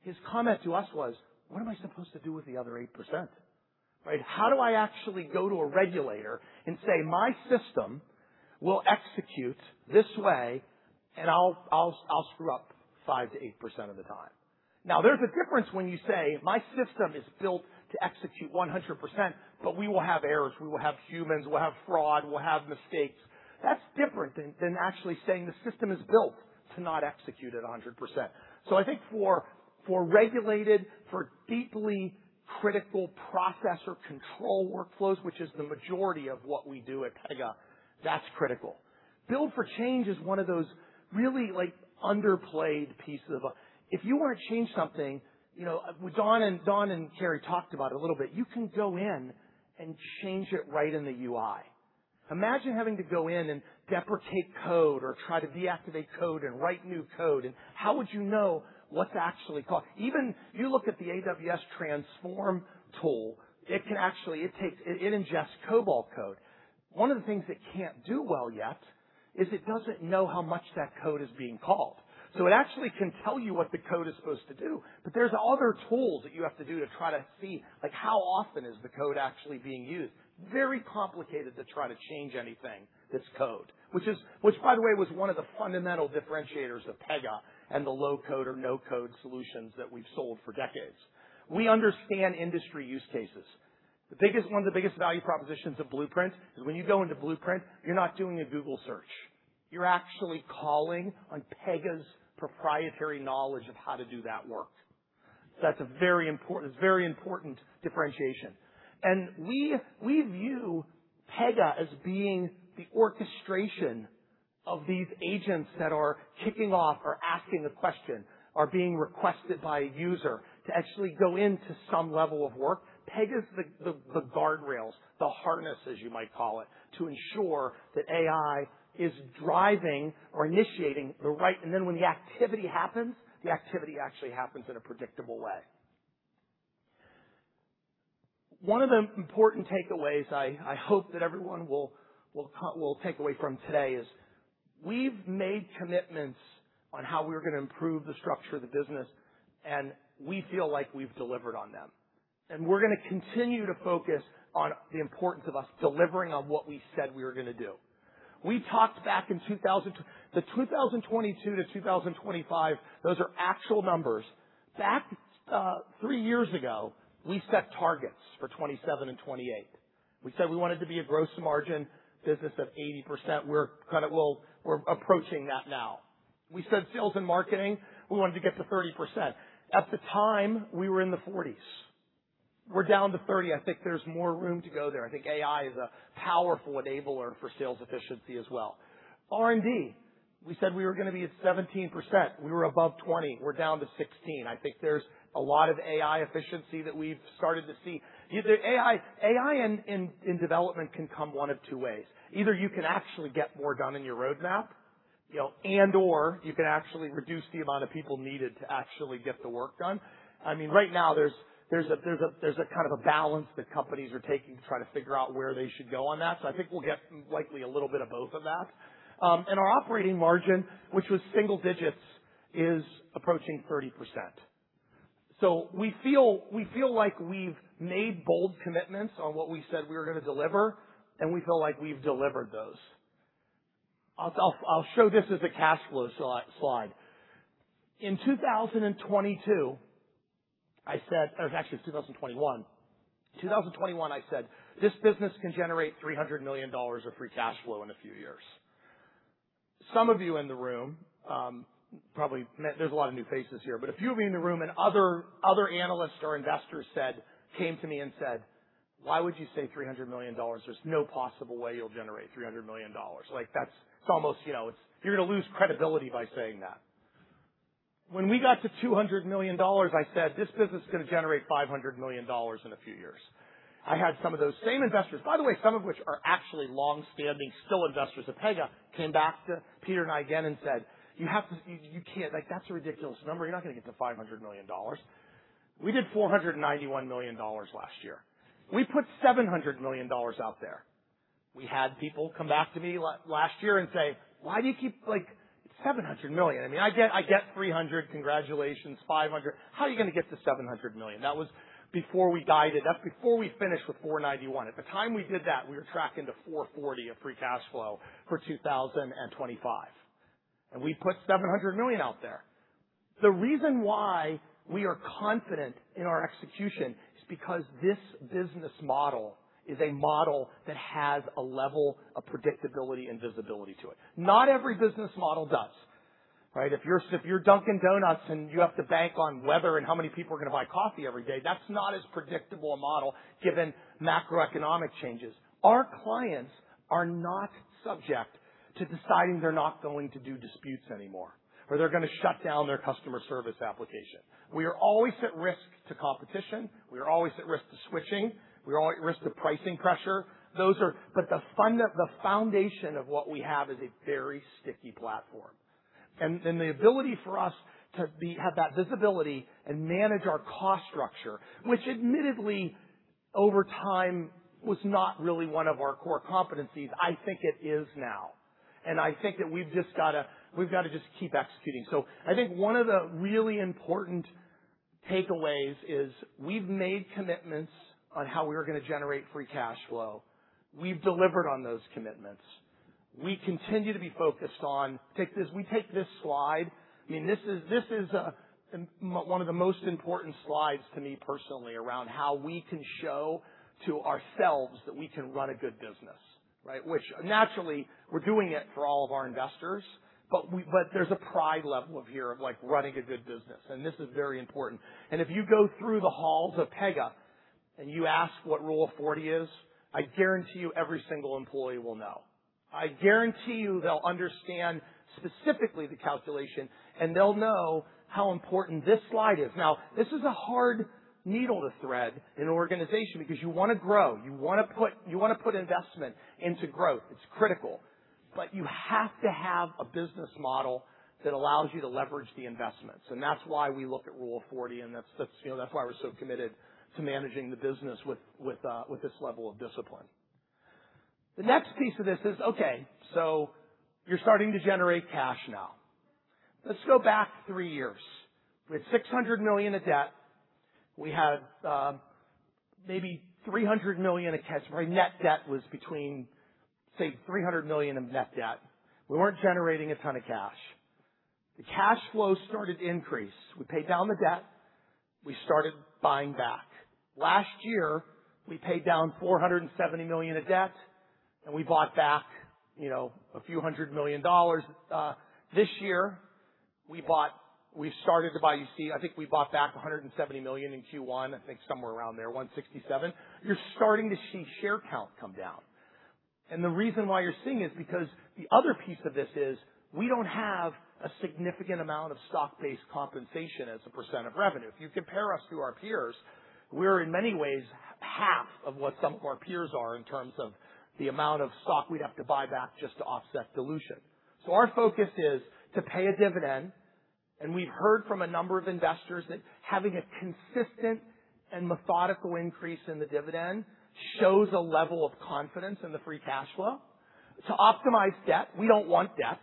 His comment to us was, "What am I supposed to do with the other 8%? How do I actually go to a regulator and say my system will execute this way, and I'll screw up 5%-8% of the time?" Now, there's a difference when you say, my system is built to execute 100%, but we will have errors. We will have humans. We'll have fraud. We'll have mistakes. That's different than actually saying the system is built to not execute at 100%. I think for regulated, for deeply critical process or control workflows, which is the majority of what we do at Pega, that's critical. Build for change is one of those really underplayed pieces of If you want to change something, Don and Carie talked about a little bit. You can go in and change it right in the UI. Imagine having to go in and deprecate code or try to deactivate code and write new code, and how would you know what's actually caught? Even if you look at the AWS Transform tool, it ingests COBOL code. One of the things it can't do well yet is it doesn't know how much that code is being called. It actually can tell you what the code is supposed to do. There's other tools that you have to do to try to see how often is the code actually being used. Very complicated to try to change anything that's code. By the way, was one of the fundamental differentiators of Pega and the low-code or no-code solutions that we've sold for decades. We understand industry use cases. One of the biggest value propositions of Blueprint is when you go into Blueprint, you're not doing a Google search. You're actually calling on Pega's proprietary knowledge of how to do that work. That's a very important differentiation. We view Pega as being the orchestration of these agents that are kicking off or asking a question or being requested by a user to actually go into some level of work. Pega is the guardrails, the harness, as you might call it, to ensure that AI is driving or initiating the right. Then when the activity happens, the activity actually happens in a predictable way. One of the important takeaways I hope that everyone will take away from today is we've made commitments on how we're going to improve the structure of the business, and we feel like we've delivered on them. We're going to continue to focus on the importance of us delivering on what we said we were going to do. The 2022-2025, those are actual numbers. Back three years ago, we set targets for 2027 and 2028. We said we wanted to be a gross margin business of 80%. We're approaching that now. We said sales and marketing, we wanted to get to 30%. At the time, we were in the 40s. We're down to 30%. I think there's more room to go there. I think AI is a powerful enabler for sales efficiency as well. R&D, we said we were going to be at 17%. We were above 20%. We're down to 16%. I think there's a lot of AI efficiency that we've started to see. AI in development can come one of two ways. Either you can actually get more done in your roadmap and/or you can actually reduce the amount of people needed to actually get the work done. Right now, there's a kind of a balance that companies are taking to try to figure out where they should go on that. I think we'll get likely a little bit of both of that. Our operating margin, which was single digits, is approaching 30%. We feel like we've made bold commitments on what we said we were going to deliver, and we feel like we've delivered those. I'll show this as a cash flow slide. In 2022, I said Actually, it's 2021. 2021, I said, "This business can generate $300 million of free cash flow in a few years." Some of you in the room, probably met there's a lot of new faces here, but a few of you in the room and other analysts or investors came to me and said, "Why would you say $300 million? There's no possible way you'll generate $300 million." It's almost you're going to lose credibility by saying that. When we got to $200 million, I said, "This business is going to generate $500 million in a few years." I had some of those same investors, by the way, some of which are actually longstanding still investors of Pega, came back to Peter and I again and said, "You can't. That's a ridiculous number. You're not going to get to $500 million." We did $491 million last year. We put $700 million out there. We had people come back to me last year and say, "Why do you keep, like, $700 million? I get $300 million, congratulations. $500 million. How are you going to get to $700 million?" That was before we guided. That's before we finished with $491 million. At the time we did that, we were tracking to $440 million of free cash flow for 2025. We put $700 million out there. The reason why we are confident in our execution is because this business model is a model that has a level of predictability and visibility to it. Not every business model does. If you're Dunkin' Donuts and you have to bank on weather and how many people are going to buy coffee every day, that's not as predictable a model given macroeconomic changes. Our clients are not subject to deciding they're not going to do disputes anymore, or they're going to shut down their customer service application. We are always at risk to competition. We are always at risk to switching. We're always at risk to pricing pressure. The foundation of what we have is a very sticky platform. The ability for us to have that visibility and manage our cost structure, which admittedly over time was not really one of our core competencies, I think it is now. I think that we've got to just keep executing. One of the really important takeaways is we've made commitments on how we are going to generate free cash flow. We've delivered on those commitments. We continue to be focused on this slide. This is one of the most important slides to me personally around how we can show to ourselves that we can run a good business. Naturally, we're doing it for all of our investors, but there's a pride level here of running a good business, and this is very important. If you go through the halls of Pega, and you ask what Rule of 40 is, I guarantee you every single employee will know. I guarantee you they'll understand specifically the calculation, and they'll know how important this slide is. This is a hard needle to thread in an organization because you want to grow. You want to put investment into growth. It's critical. You have to have a business model that allows you to leverage the investments. That's why we look at Rule of 40, and that's why we're so committed to managing the business with this level of discipline. The next piece of this is, you're starting to generate cash now. Let's go back three years. With $600 million of debt, we had maybe $300 million of cash. Our net debt was between, say, $300 million of net debt. We weren't generating a ton of cash. The cash flow started to increase. We paid down the debt. We started buying back. Last year, we paid down $470 million of debt, and we bought back a few hundred million. This year, I think we bought back $170 million in Q1, I think somewhere around there, $167 million. You're starting to see share count come down. The reason why you're seeing it is because the other piece of this is we don't have a significant amount of stock-based compensation as a percent of revenue. If you compare us to our peers, we're in many ways half of what some of our peers are in terms of the amount of stock we'd have to buy back just to offset dilution. Our focus is to pay a dividend, and we've heard from a number of investors that having a consistent and methodical increase in the dividend shows a level of confidence in the free cash flow. To optimize debt, we don't want debt.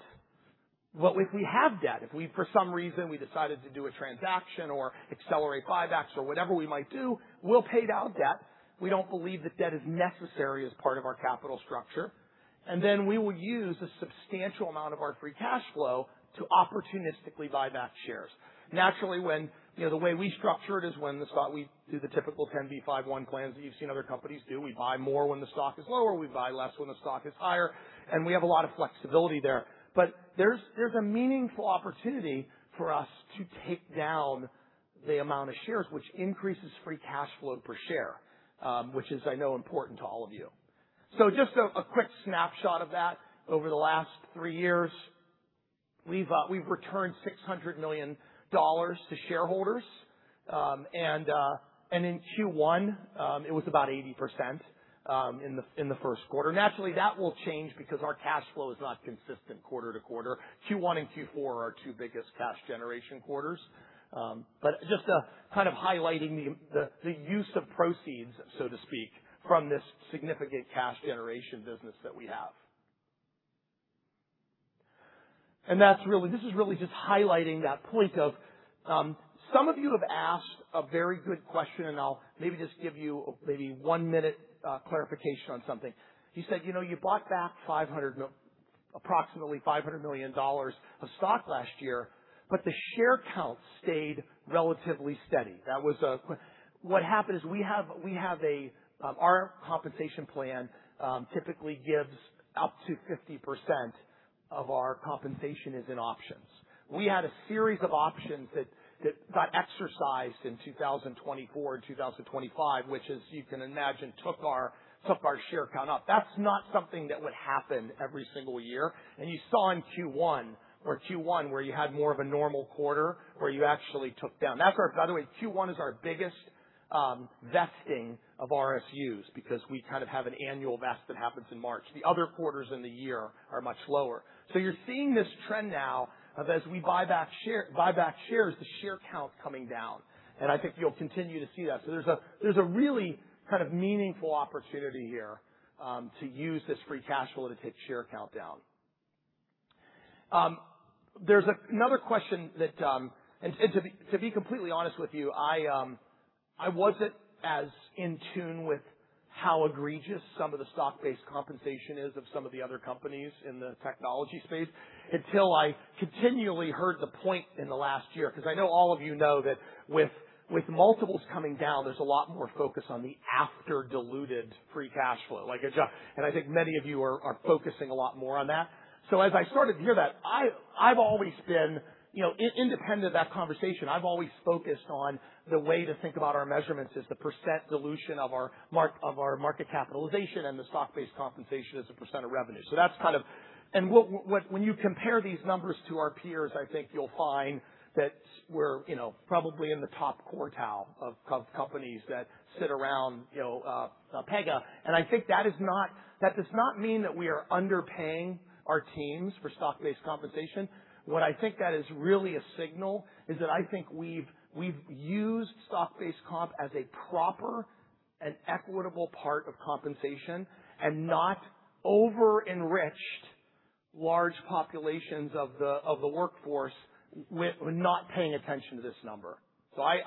If we have debt, if for some reason we decided to do a transaction or accelerate buybacks or whatever we might do, we'll pay down debt. We don't believe that debt is necessary as part of our capital structure. We will use a substantial amount of our free cash flow to opportunistically buy back shares. Naturally, the way we structure it is we do the typical 10B5-1 plans that you've seen other companies do. We buy more when the stock is lower, we buy less when the stock is higher, and we have a lot of flexibility there. There's a meaningful opportunity for us to take down the amount of shares, which increases free cash flow per share, which is, I know, important to all of you. Just a quick snapshot of that. Over the last three years, we've returned $600 million to shareholders. In Q1, it was about 80% in the first quarter. Naturally, that will change because our cash flow is not consistent quarter-to-quarter. Q1 and Q4 are our two biggest cash generation quarters. Just highlighting the use of proceeds, so to speak, from this significant cash generation business that we have. This is really just highlighting that point of. Some of you have asked a very good question, and I'll maybe just give you maybe one-minute clarification on something. You said, "You bought back approximately $500 million of stock last year, but the share count stayed relatively steady." What happened is our compensation plan typically gives up to 50% of our compensation is in options. We had a series of options that got exercised in 2024 and 2025, which, as you can imagine, took our share count up. That's not something that would happen every single year. You saw in Q1 where you had more of a normal quarter where you actually took down. By the way, Q1 is our biggest vesting of RSUs because we have an annual vest that happens in March. The other quarters in the year are much lower. You're seeing this trend now of as we buy back shares, the share count coming down. I think you'll continue to see that. There's a really meaningful opportunity here to use this free cash flow to take share count down. There's another question that. To be completely honest with you, I wasn't as in tune with how egregious some of the stock-based compensation is of some of the other companies in the technology space until I continually heard the point in the last year. I know all of you know that with multiples coming down, there's a lot more focus on the after-diluted free cash flow. I think many of you are focusing a lot more on that. As I started to hear that, independent of that conversation, I've always focused on the way to think about our measurements is the percent dilution of our market capitalization and the stock-based compensation as a percent of revenue. When you compare these numbers to our peers, I think you'll find that we're probably in the top quartile of companies that sit around Pega. I think that does not mean that we are underpaying our teams for stock-based compensation. What I think that is really a signal is that I think we've used stock-based comp as a proper and equitable part of compensation and not over-enriched large populations of the workforce with not paying attention to this number. I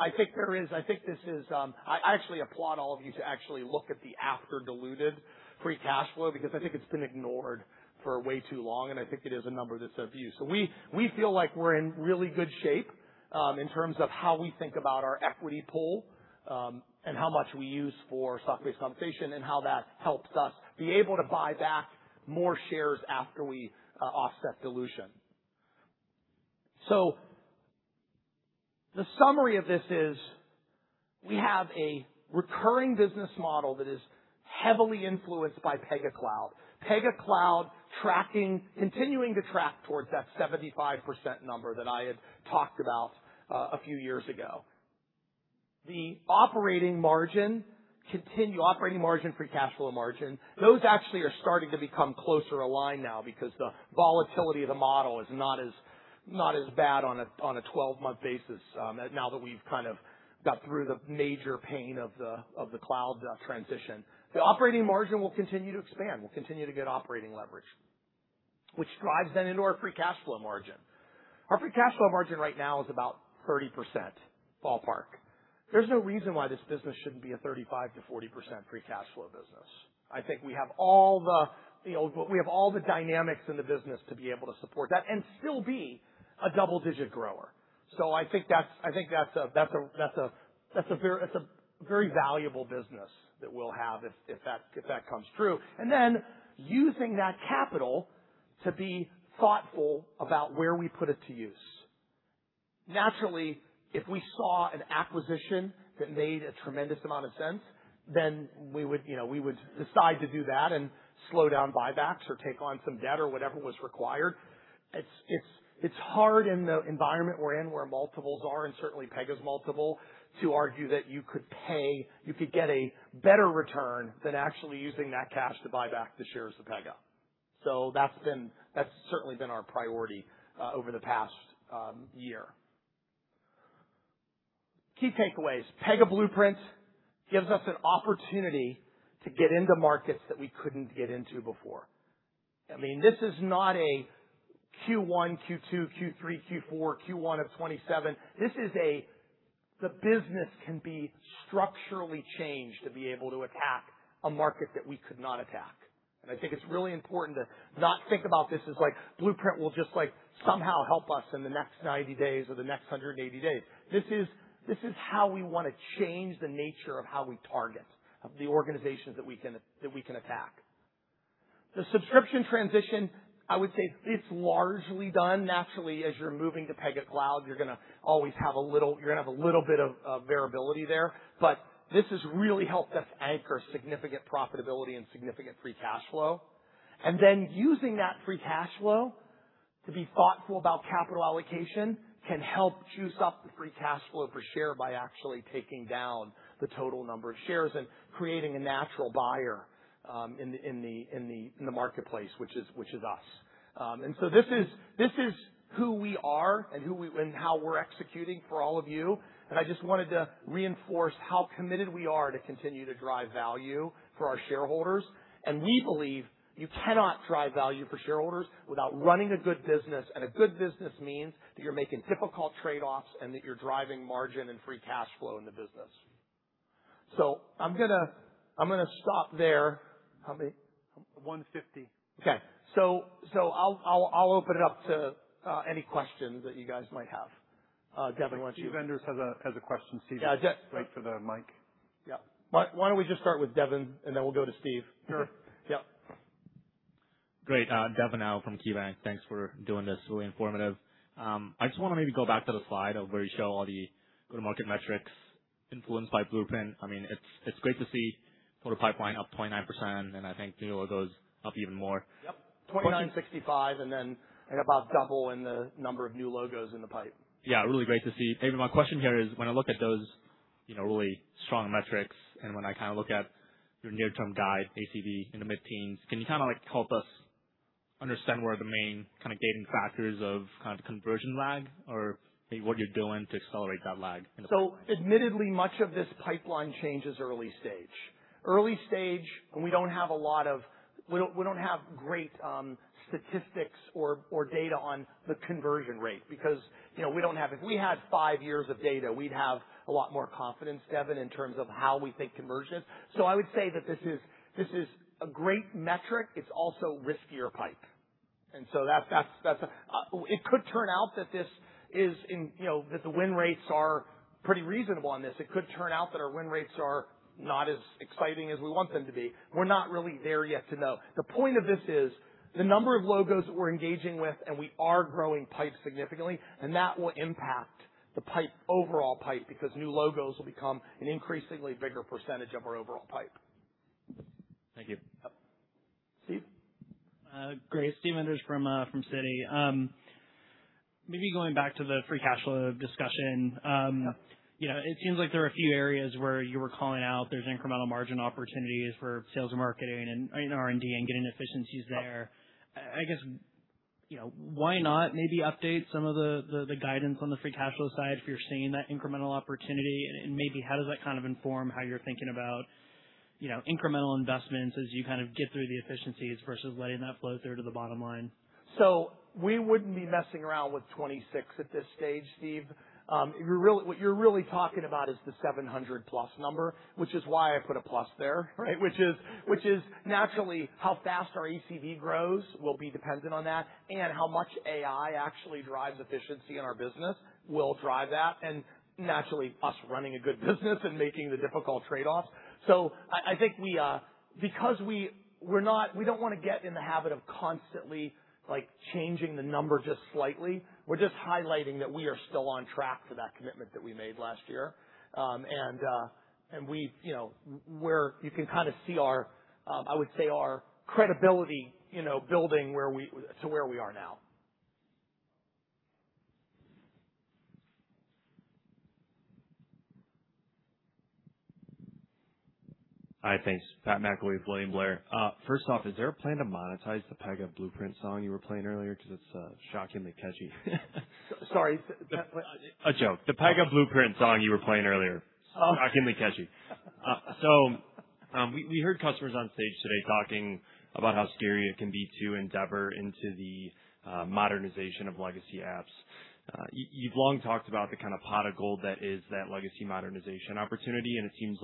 actually applaud all of you to actually look at the after-diluted free cash flow, because I think it's been ignored for way too long, and I think it is a number that's of use. We feel like we're in really good shape in terms of how we think about our equity pool and how much we use for stock-based compensation and how that helps us be able to buy back more shares after we offset dilution. The summary of this is we have a recurring business model that is heavily influenced by Pega Cloud. Pega Cloud continuing to track towards that 75% number that I had talked about a few years ago. The operating margin, free cash flow margin, those actually are starting to become closer aligned now because the volatility of the model is not as bad on a 12-month basis now that we've got through the major pain of the cloud transition. The operating margin will continue to expand. We'll continue to get operating leverage, which drives then into our free cash flow margin. Our free cash flow margin right now is about 30%, ballpark. There's no reason why this business shouldn't be a 35%-40% free cash flow business. I think we have all the dynamics in the business to be able to support that and still be a double-digit grower. I think that's a very valuable business that we'll have if that comes true. Then using that capital to be thoughtful about where we put it to use. Naturally, if we saw an acquisition that made a tremendous amount of sense, then we would decide to do that and slow down buybacks or take on some debt or whatever was required. It's hard in the environment we're in, where multiples are, and certainly Pega's multiple, to argue that you could get a better return than actually using that cash to buy back the shares of Pega. That's certainly been our priority over the past year. Key takeaways. Pega Blueprint gives us an opportunity to get into markets that we couldn't get into before. This is not a Q1, Q2, Q3, Q4, Q1 of 2027. The business can be structurally changed to be able to attack a market that we could not attack. I think it's really important to not think about this as Blueprint will just somehow help us in the next 90 days or the next 180 days. This is how we want to change the nature of how we target the organizations that we can attack. The subscription transition, I would say it's largely done. Naturally, as you're moving to Pega Cloud, you're going to have a little bit of variability there. But this has really helped us anchor significant profitability and significant free cash flow. Using that free cash flow to be thoughtful about capital allocation can help juice up the free cash flow per share by actually taking down the total number of shares and creating a natural buyer in the marketplace, which is us. This is who we are and how we're executing for all of you, and I just wanted to reinforce how committed we are to continue to drive value for our shareholders. We believe you cannot drive value for shareholders without running a good business, and a good business means that you're making difficult trade-offs and that you're driving margin and free cash flow in the business. I'm going to stop there. How many- 1:50. Okay. I'll open it up to any questions that you guys might have. Devin, why don't you- Steve Enders has a question. Yeah. Wait for the mic. Yeah. Why don't we just start with Devin, and then we'll go to Steve. Sure. Yeah. Great. Devin Au from KeyBanc Capital Markets. Thanks for doing this. Really informative. I just want to maybe go back to the slide of where you show all the go-to-market metrics influenced by Blueprint. It's great to see total pipeline up 29%. I think new logos up even more. Yep. 29, 65 and about double in the number of new logos in the pipe. Yeah, really great to see. David, my question here is, when I look at those really strong metrics and when I look at your near-term guide, ACV in the mid-teens, can you help us understand where the main gating factors of conversion lag or maybe what you're doing to accelerate that lag in the pipeline? Admittedly, much of this pipeline change is early stage. Early stage, and we don't have great statistics or data on the conversion rate. If we had five years of data, we'd have a lot more confidence, Devin, in terms of how we think conversions. I would say that this is a great metric. It's also riskier pipe. It could turn out that the win rates are pretty reasonable on this. It could turn out that our win rates are not as exciting as we want them to be. We're not really there yet to know. The point of this is the number of logos that we're engaging with, and we are growing pipe significantly, and that will impact the overall pipe because new logos will become an increasingly bigger percentage of our overall pipe. Thank you. Yep. Steve? Great. Steve Enders from Citi. Going back to the free cash flow discussion. Yeah. It seems like there are a few areas where you were calling out there's incremental margin opportunities for sales and marketing and R&D and getting efficiencies there. I guess, why not maybe update some of the guidance on the free cash flow side if you're seeing that incremental opportunity, and maybe how does that kind of inform how you're thinking about incremental investments as you kind of get through the efficiencies versus letting that flow through to the bottom line? We wouldn't be messing around with 2026 at this stage, Steve. What you're really talking about is the $700+ number, which is why I put a plus there, right? Which is naturally how fast our ACV grows will be dependent on that, and how much AI actually drives efficiency in our business will drive that, and naturally, us running a good business and making the difficult trade-offs. Because we don't want to get in the habit of constantly changing the number just slightly. We're just highlighting that we are still on track for that commitment that we made last year. You can kind of see our, I would say, our credibility building to where we are now. Hi, thanks. Pat McElwee, William Blair. First off, is there a plan to monetize the Pega Blueprint song you were playing earlier because it's shockingly catchy? Sorry, Pat, what? A joke. The Pega Blueprint song you were playing earlier shockingly catchy. We heard customers on stage today talking about how scary it can be to endeavor into the modernization of legacy apps. You've long talked about the kind of pot of gold that is that legacy modernization opportunity, and it seems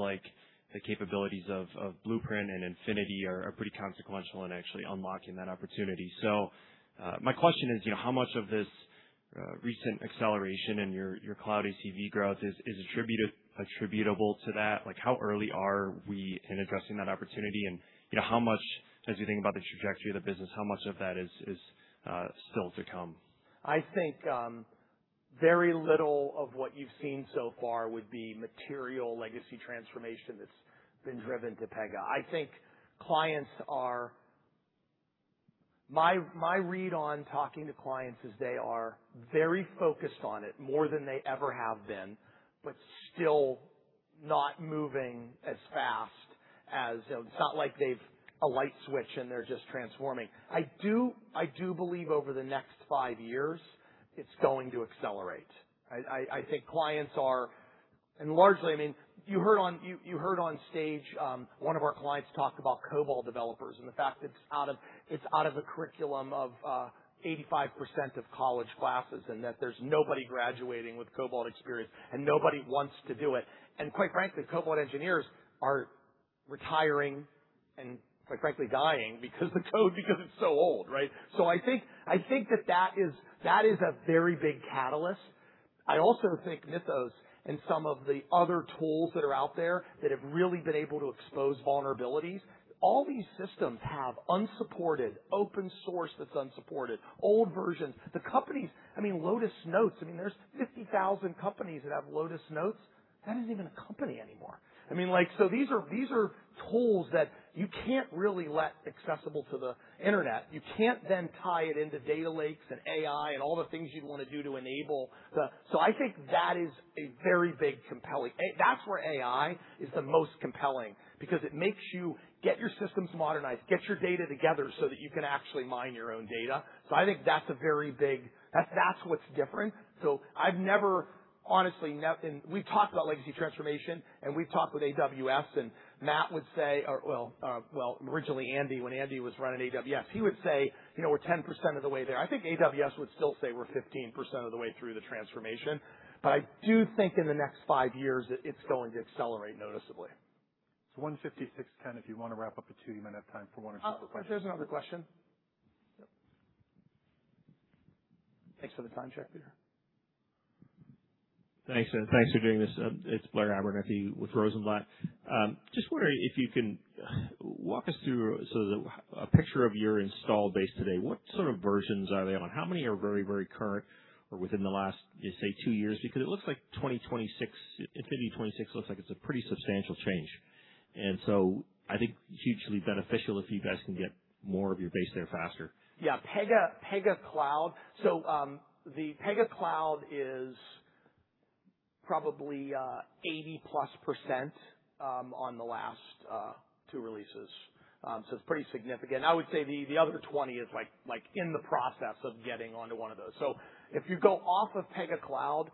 like the capabilities of Blueprint and Infinity are pretty consequential in actually unlocking that opportunity. My question is, how much of this recent acceleration in your cloud ACV growth is attributable to that? How early are we in addressing that opportunity, and as you think about the trajectory of the business, how much of that is still to come? I think very little of what you've seen so far would be material legacy transformation that's been driven to Pega. My read on talking to clients is they are very focused on it, more than they ever have been, but still not moving as fast. It's not like they've a light switch, and they're just transforming. I do believe over the next five years, it's going to accelerate. You heard on stage, one of our clients talk about COBOL developers and the fact it's out of the curriculum of 85% of college classes, and that there's nobody graduating with COBOL experience, and nobody wants to do it. Quite frankly, COBOL engineers are retiring and, quite frankly, dying because the code because it's so old, right? I think that is a very big catalyst. I also think Mythos and some of the other tools that are out there that have really been able to expose vulnerabilities. All these systems have unsupported open source that's unsupported. Old versions. Lotus Notes. There's 50,000 companies that have Lotus Notes. That isn't even a company anymore. These are tools that you can't really let accessible to the internet. You can't then tie it into data lakes and AI and all the things you'd want to do. I think that is a very big compelling. That's where AI is the most compelling because it makes you get your systems modernized, get your data together so that you can actually mine your own data. I think that's what's different. We've talked about legacy transformation, and we've talked with AWS, and Matt would say, or well, originally Andy, when Andy was running AWS. He would say, "We're 10% of the way there." I think AWS would still say we're 15% of the way through the transformation, but I do think in the next five years, it's going to accelerate noticeably. 1:56:10. If you want to wrap up at two, you might have time for one or two more questions. There's another question. Yep. Thanks for the time check, Peter. Thanks for doing this. It's Blair Abernethy with Rosenblatt. Just wondering if you can walk us through a picture of your install base today. What sort of versions are they on? How many are very current or within the last, say, two years? Because it looks like Infinity 2026 looks like it's a pretty substantial change. I think hugely beneficial if you guys can get more of your base there faster. Yeah. Pega Cloud is probably 80+% on the last two releases. It's pretty significant. I would say the other 20 is in the process of getting onto one of those. If you go off of Pega Cloud,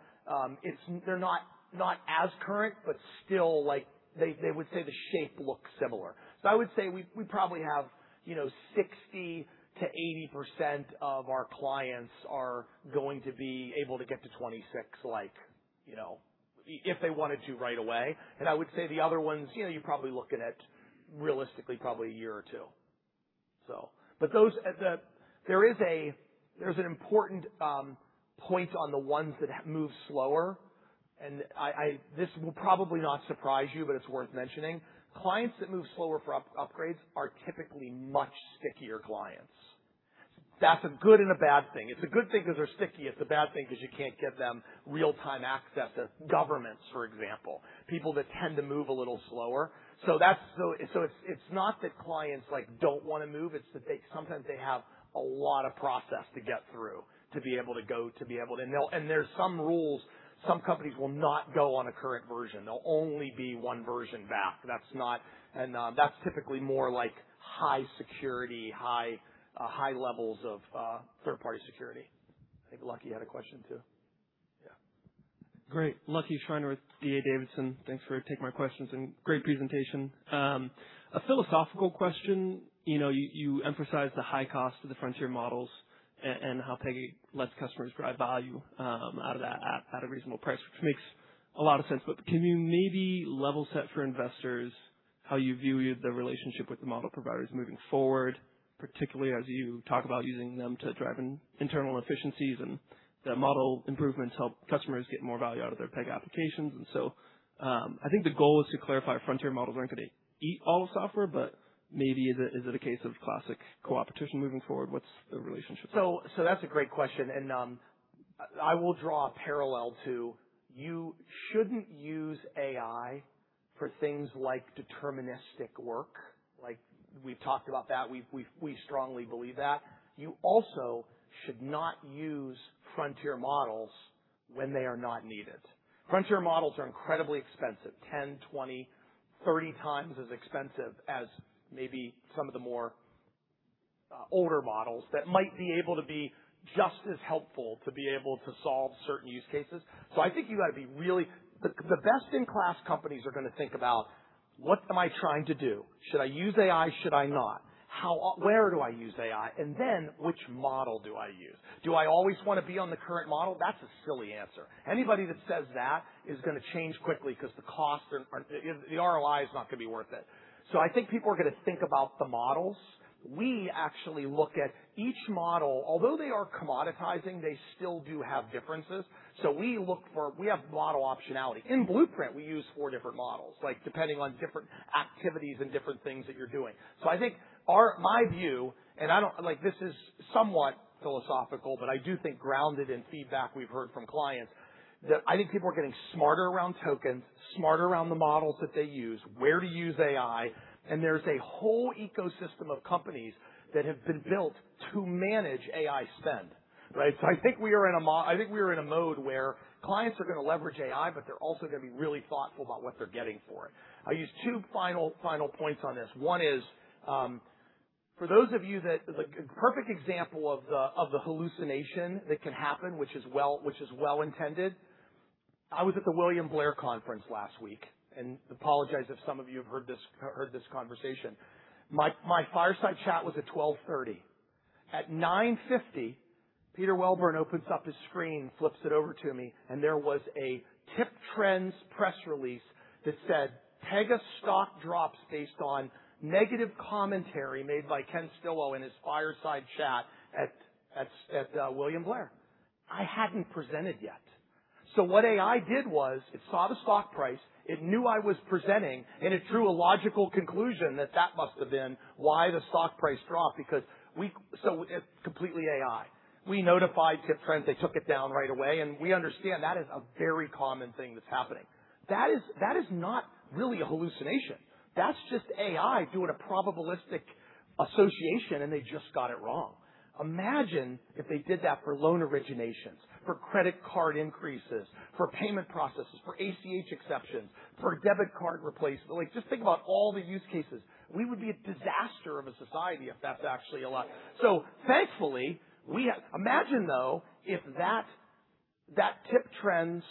they're not as current, but still they would say the shape looks similar. I would say we probably have 60%-80% of our clients are going to be able to get to 26 like if they wanted to right away. I would say the other ones, you're probably looking at realistically probably a year or two. There's an important point on the ones that move slower, and this will probably not surprise you, but it's worth mentioning. Clients that move slower for upgrades are typically much stickier clients. That's a good and a bad thing. It's a good thing because they're sticky. It's a bad thing because you can't get them real-time access as governments, for example, people that tend to move a little slower. It's not that clients don't want to move, it's that sometimes they have a lot of process to get through to be able to go. There's some rules. Some companies will not go on a current version. They'll only be one version back. That's typically more like high security, high levels of third-party security. I think Lucky had a question, too. Yeah. Great. Lucky Schreiner with D.A. Davidson. Thanks for taking my questions and great presentation. A philosophical question. You emphasize the high cost of the frontier models and how Pega lets customers drive value out of that at a reasonable price, which makes a lot of sense. Can you maybe level set for investors how you view the relationship with the model providers moving forward, particularly as you talk about using them to drive internal efficiencies and the model improvements help customers get more value out of their Pega applications. I think the goal is to clarify frontier models aren't going to eat all the software, but maybe is it a case of classic coopetition moving forward? What's the relationship there? That's a great question, and I will draw a parallel to, you shouldn't use AI for things like deterministic work. We've talked about that. We strongly believe that. You also should not use frontier models when they are not needed. Frontier models are incredibly expensive, 10, 20, 30 times as expensive as maybe some of the more older models that might be able to be just as helpful to be able to solve certain use cases. I think the best-in-class companies are going to think about what am I trying to do? Should I use AI? Should I not? Where do I use AI? Then which model do I use? Do I always want to be on the current model? That's a silly answer. Anybody that says that is going to change quickly because the ROI is not going to be worth it. I think people are going to think about the models. We actually look at each model. Although they are commoditizing, they still do have differences. We have model optionality. In Blueprint, we use four different models, depending on different activities and different things that you're doing. I think my view, and this is somewhat philosophical, but I do think grounded in feedback we've heard from clients, that I think people are getting smarter around tokens, smarter around the models that they use, where to use AI, and there's a whole ecosystem of companies that have been built to manage AI spend, right? I think we are in a mode where clients are going to leverage AI, but they're also going to be really thoughtful about what they're getting for it. I use two final points on this. One is, the perfect example of the hallucination that can happen, which is well intended. I was at the William Blair conference last week, and apologize if some of you have heard this conversation. My fireside chat was at 12:30 P.M. At 9:50 A.M., Peter Welburn opens up his screen, flips it over to me, and there was a TipRanks press release that said, "Pega stock drops based on negative commentary made by Ken Stillwell in his fireside chat at William Blair." I hadn't presented yet. What AI did was it saw the stock price, it knew I was presenting, and it drew a logical conclusion that that must have been why the stock price dropped. It's completely AI. We notified TipRanks. They took it down right away, and we understand that is a very common thing that's happening. That is not really a hallucination. That's just AI doing a probabilistic association, they just got it wrong. Imagine if they did that for loan originations, for credit card increases, for payment processes, for ACH exceptions, for debit card replacement. Just think about all the use cases. We would be a disaster of a society if that's actually allowed. Imagine, though, if that TipRanks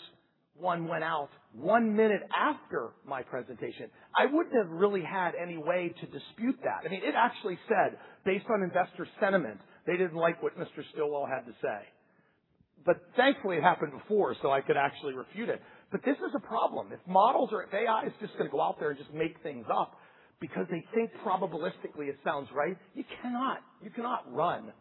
one went out one minute after my presentation. I wouldn't have really had any way to dispute that. It actually said, based on investor sentiment, they didn't like what Mr. Stillwell had to say. Thankfully, it happened before, so I could actually refute it. This is a problem. If AI is just going to go out there and just make things up because they think probabilistically it sounds right, you cannot run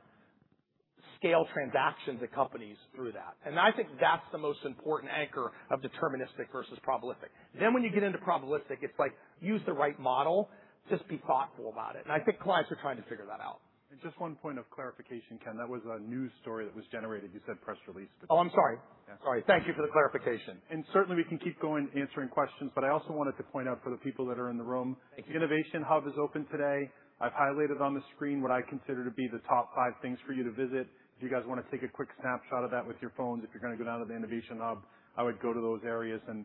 scale transactions at companies through that. I think that's the most important anchor of deterministic versus probabilistic. When you get into probabilistic, it's like use the right model, just be thoughtful about it. I think clients are trying to figure that out. Just one point of clarification, Ken, that was a news story that was generated. You said press release. Oh, I'm sorry. Yeah. Sorry. Thank you for the clarification. Certainly, we can keep going answering questions, but I also wanted to point out for the people that are in the room. Thank you. The Innovation Hub is open today. I've highlighted on the screen what I consider to be the top five things for you to visit. If you guys want to take a quick snapshot of that with your phones, if you're going to go down to the Innovation Hub, I would go to those areas and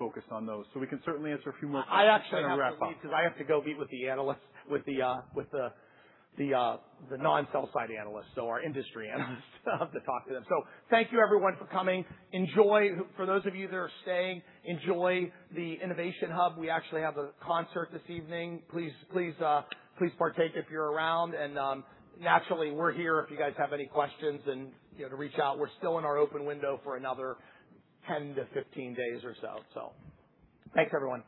focus on those. We can certainly answer a few more- I actually have to leave because I have to go meet with the non-sell side analysts. Our industry analysts I have to talk to them. Thank you, everyone, for coming. For those of you that are staying, enjoy the Innovation Hub. We actually have a concert this evening. Please partake if you're around. Naturally, we're here if you guys have any questions and to reach out. We're still in our open window for another 10-15 days or so. Thanks, everyone.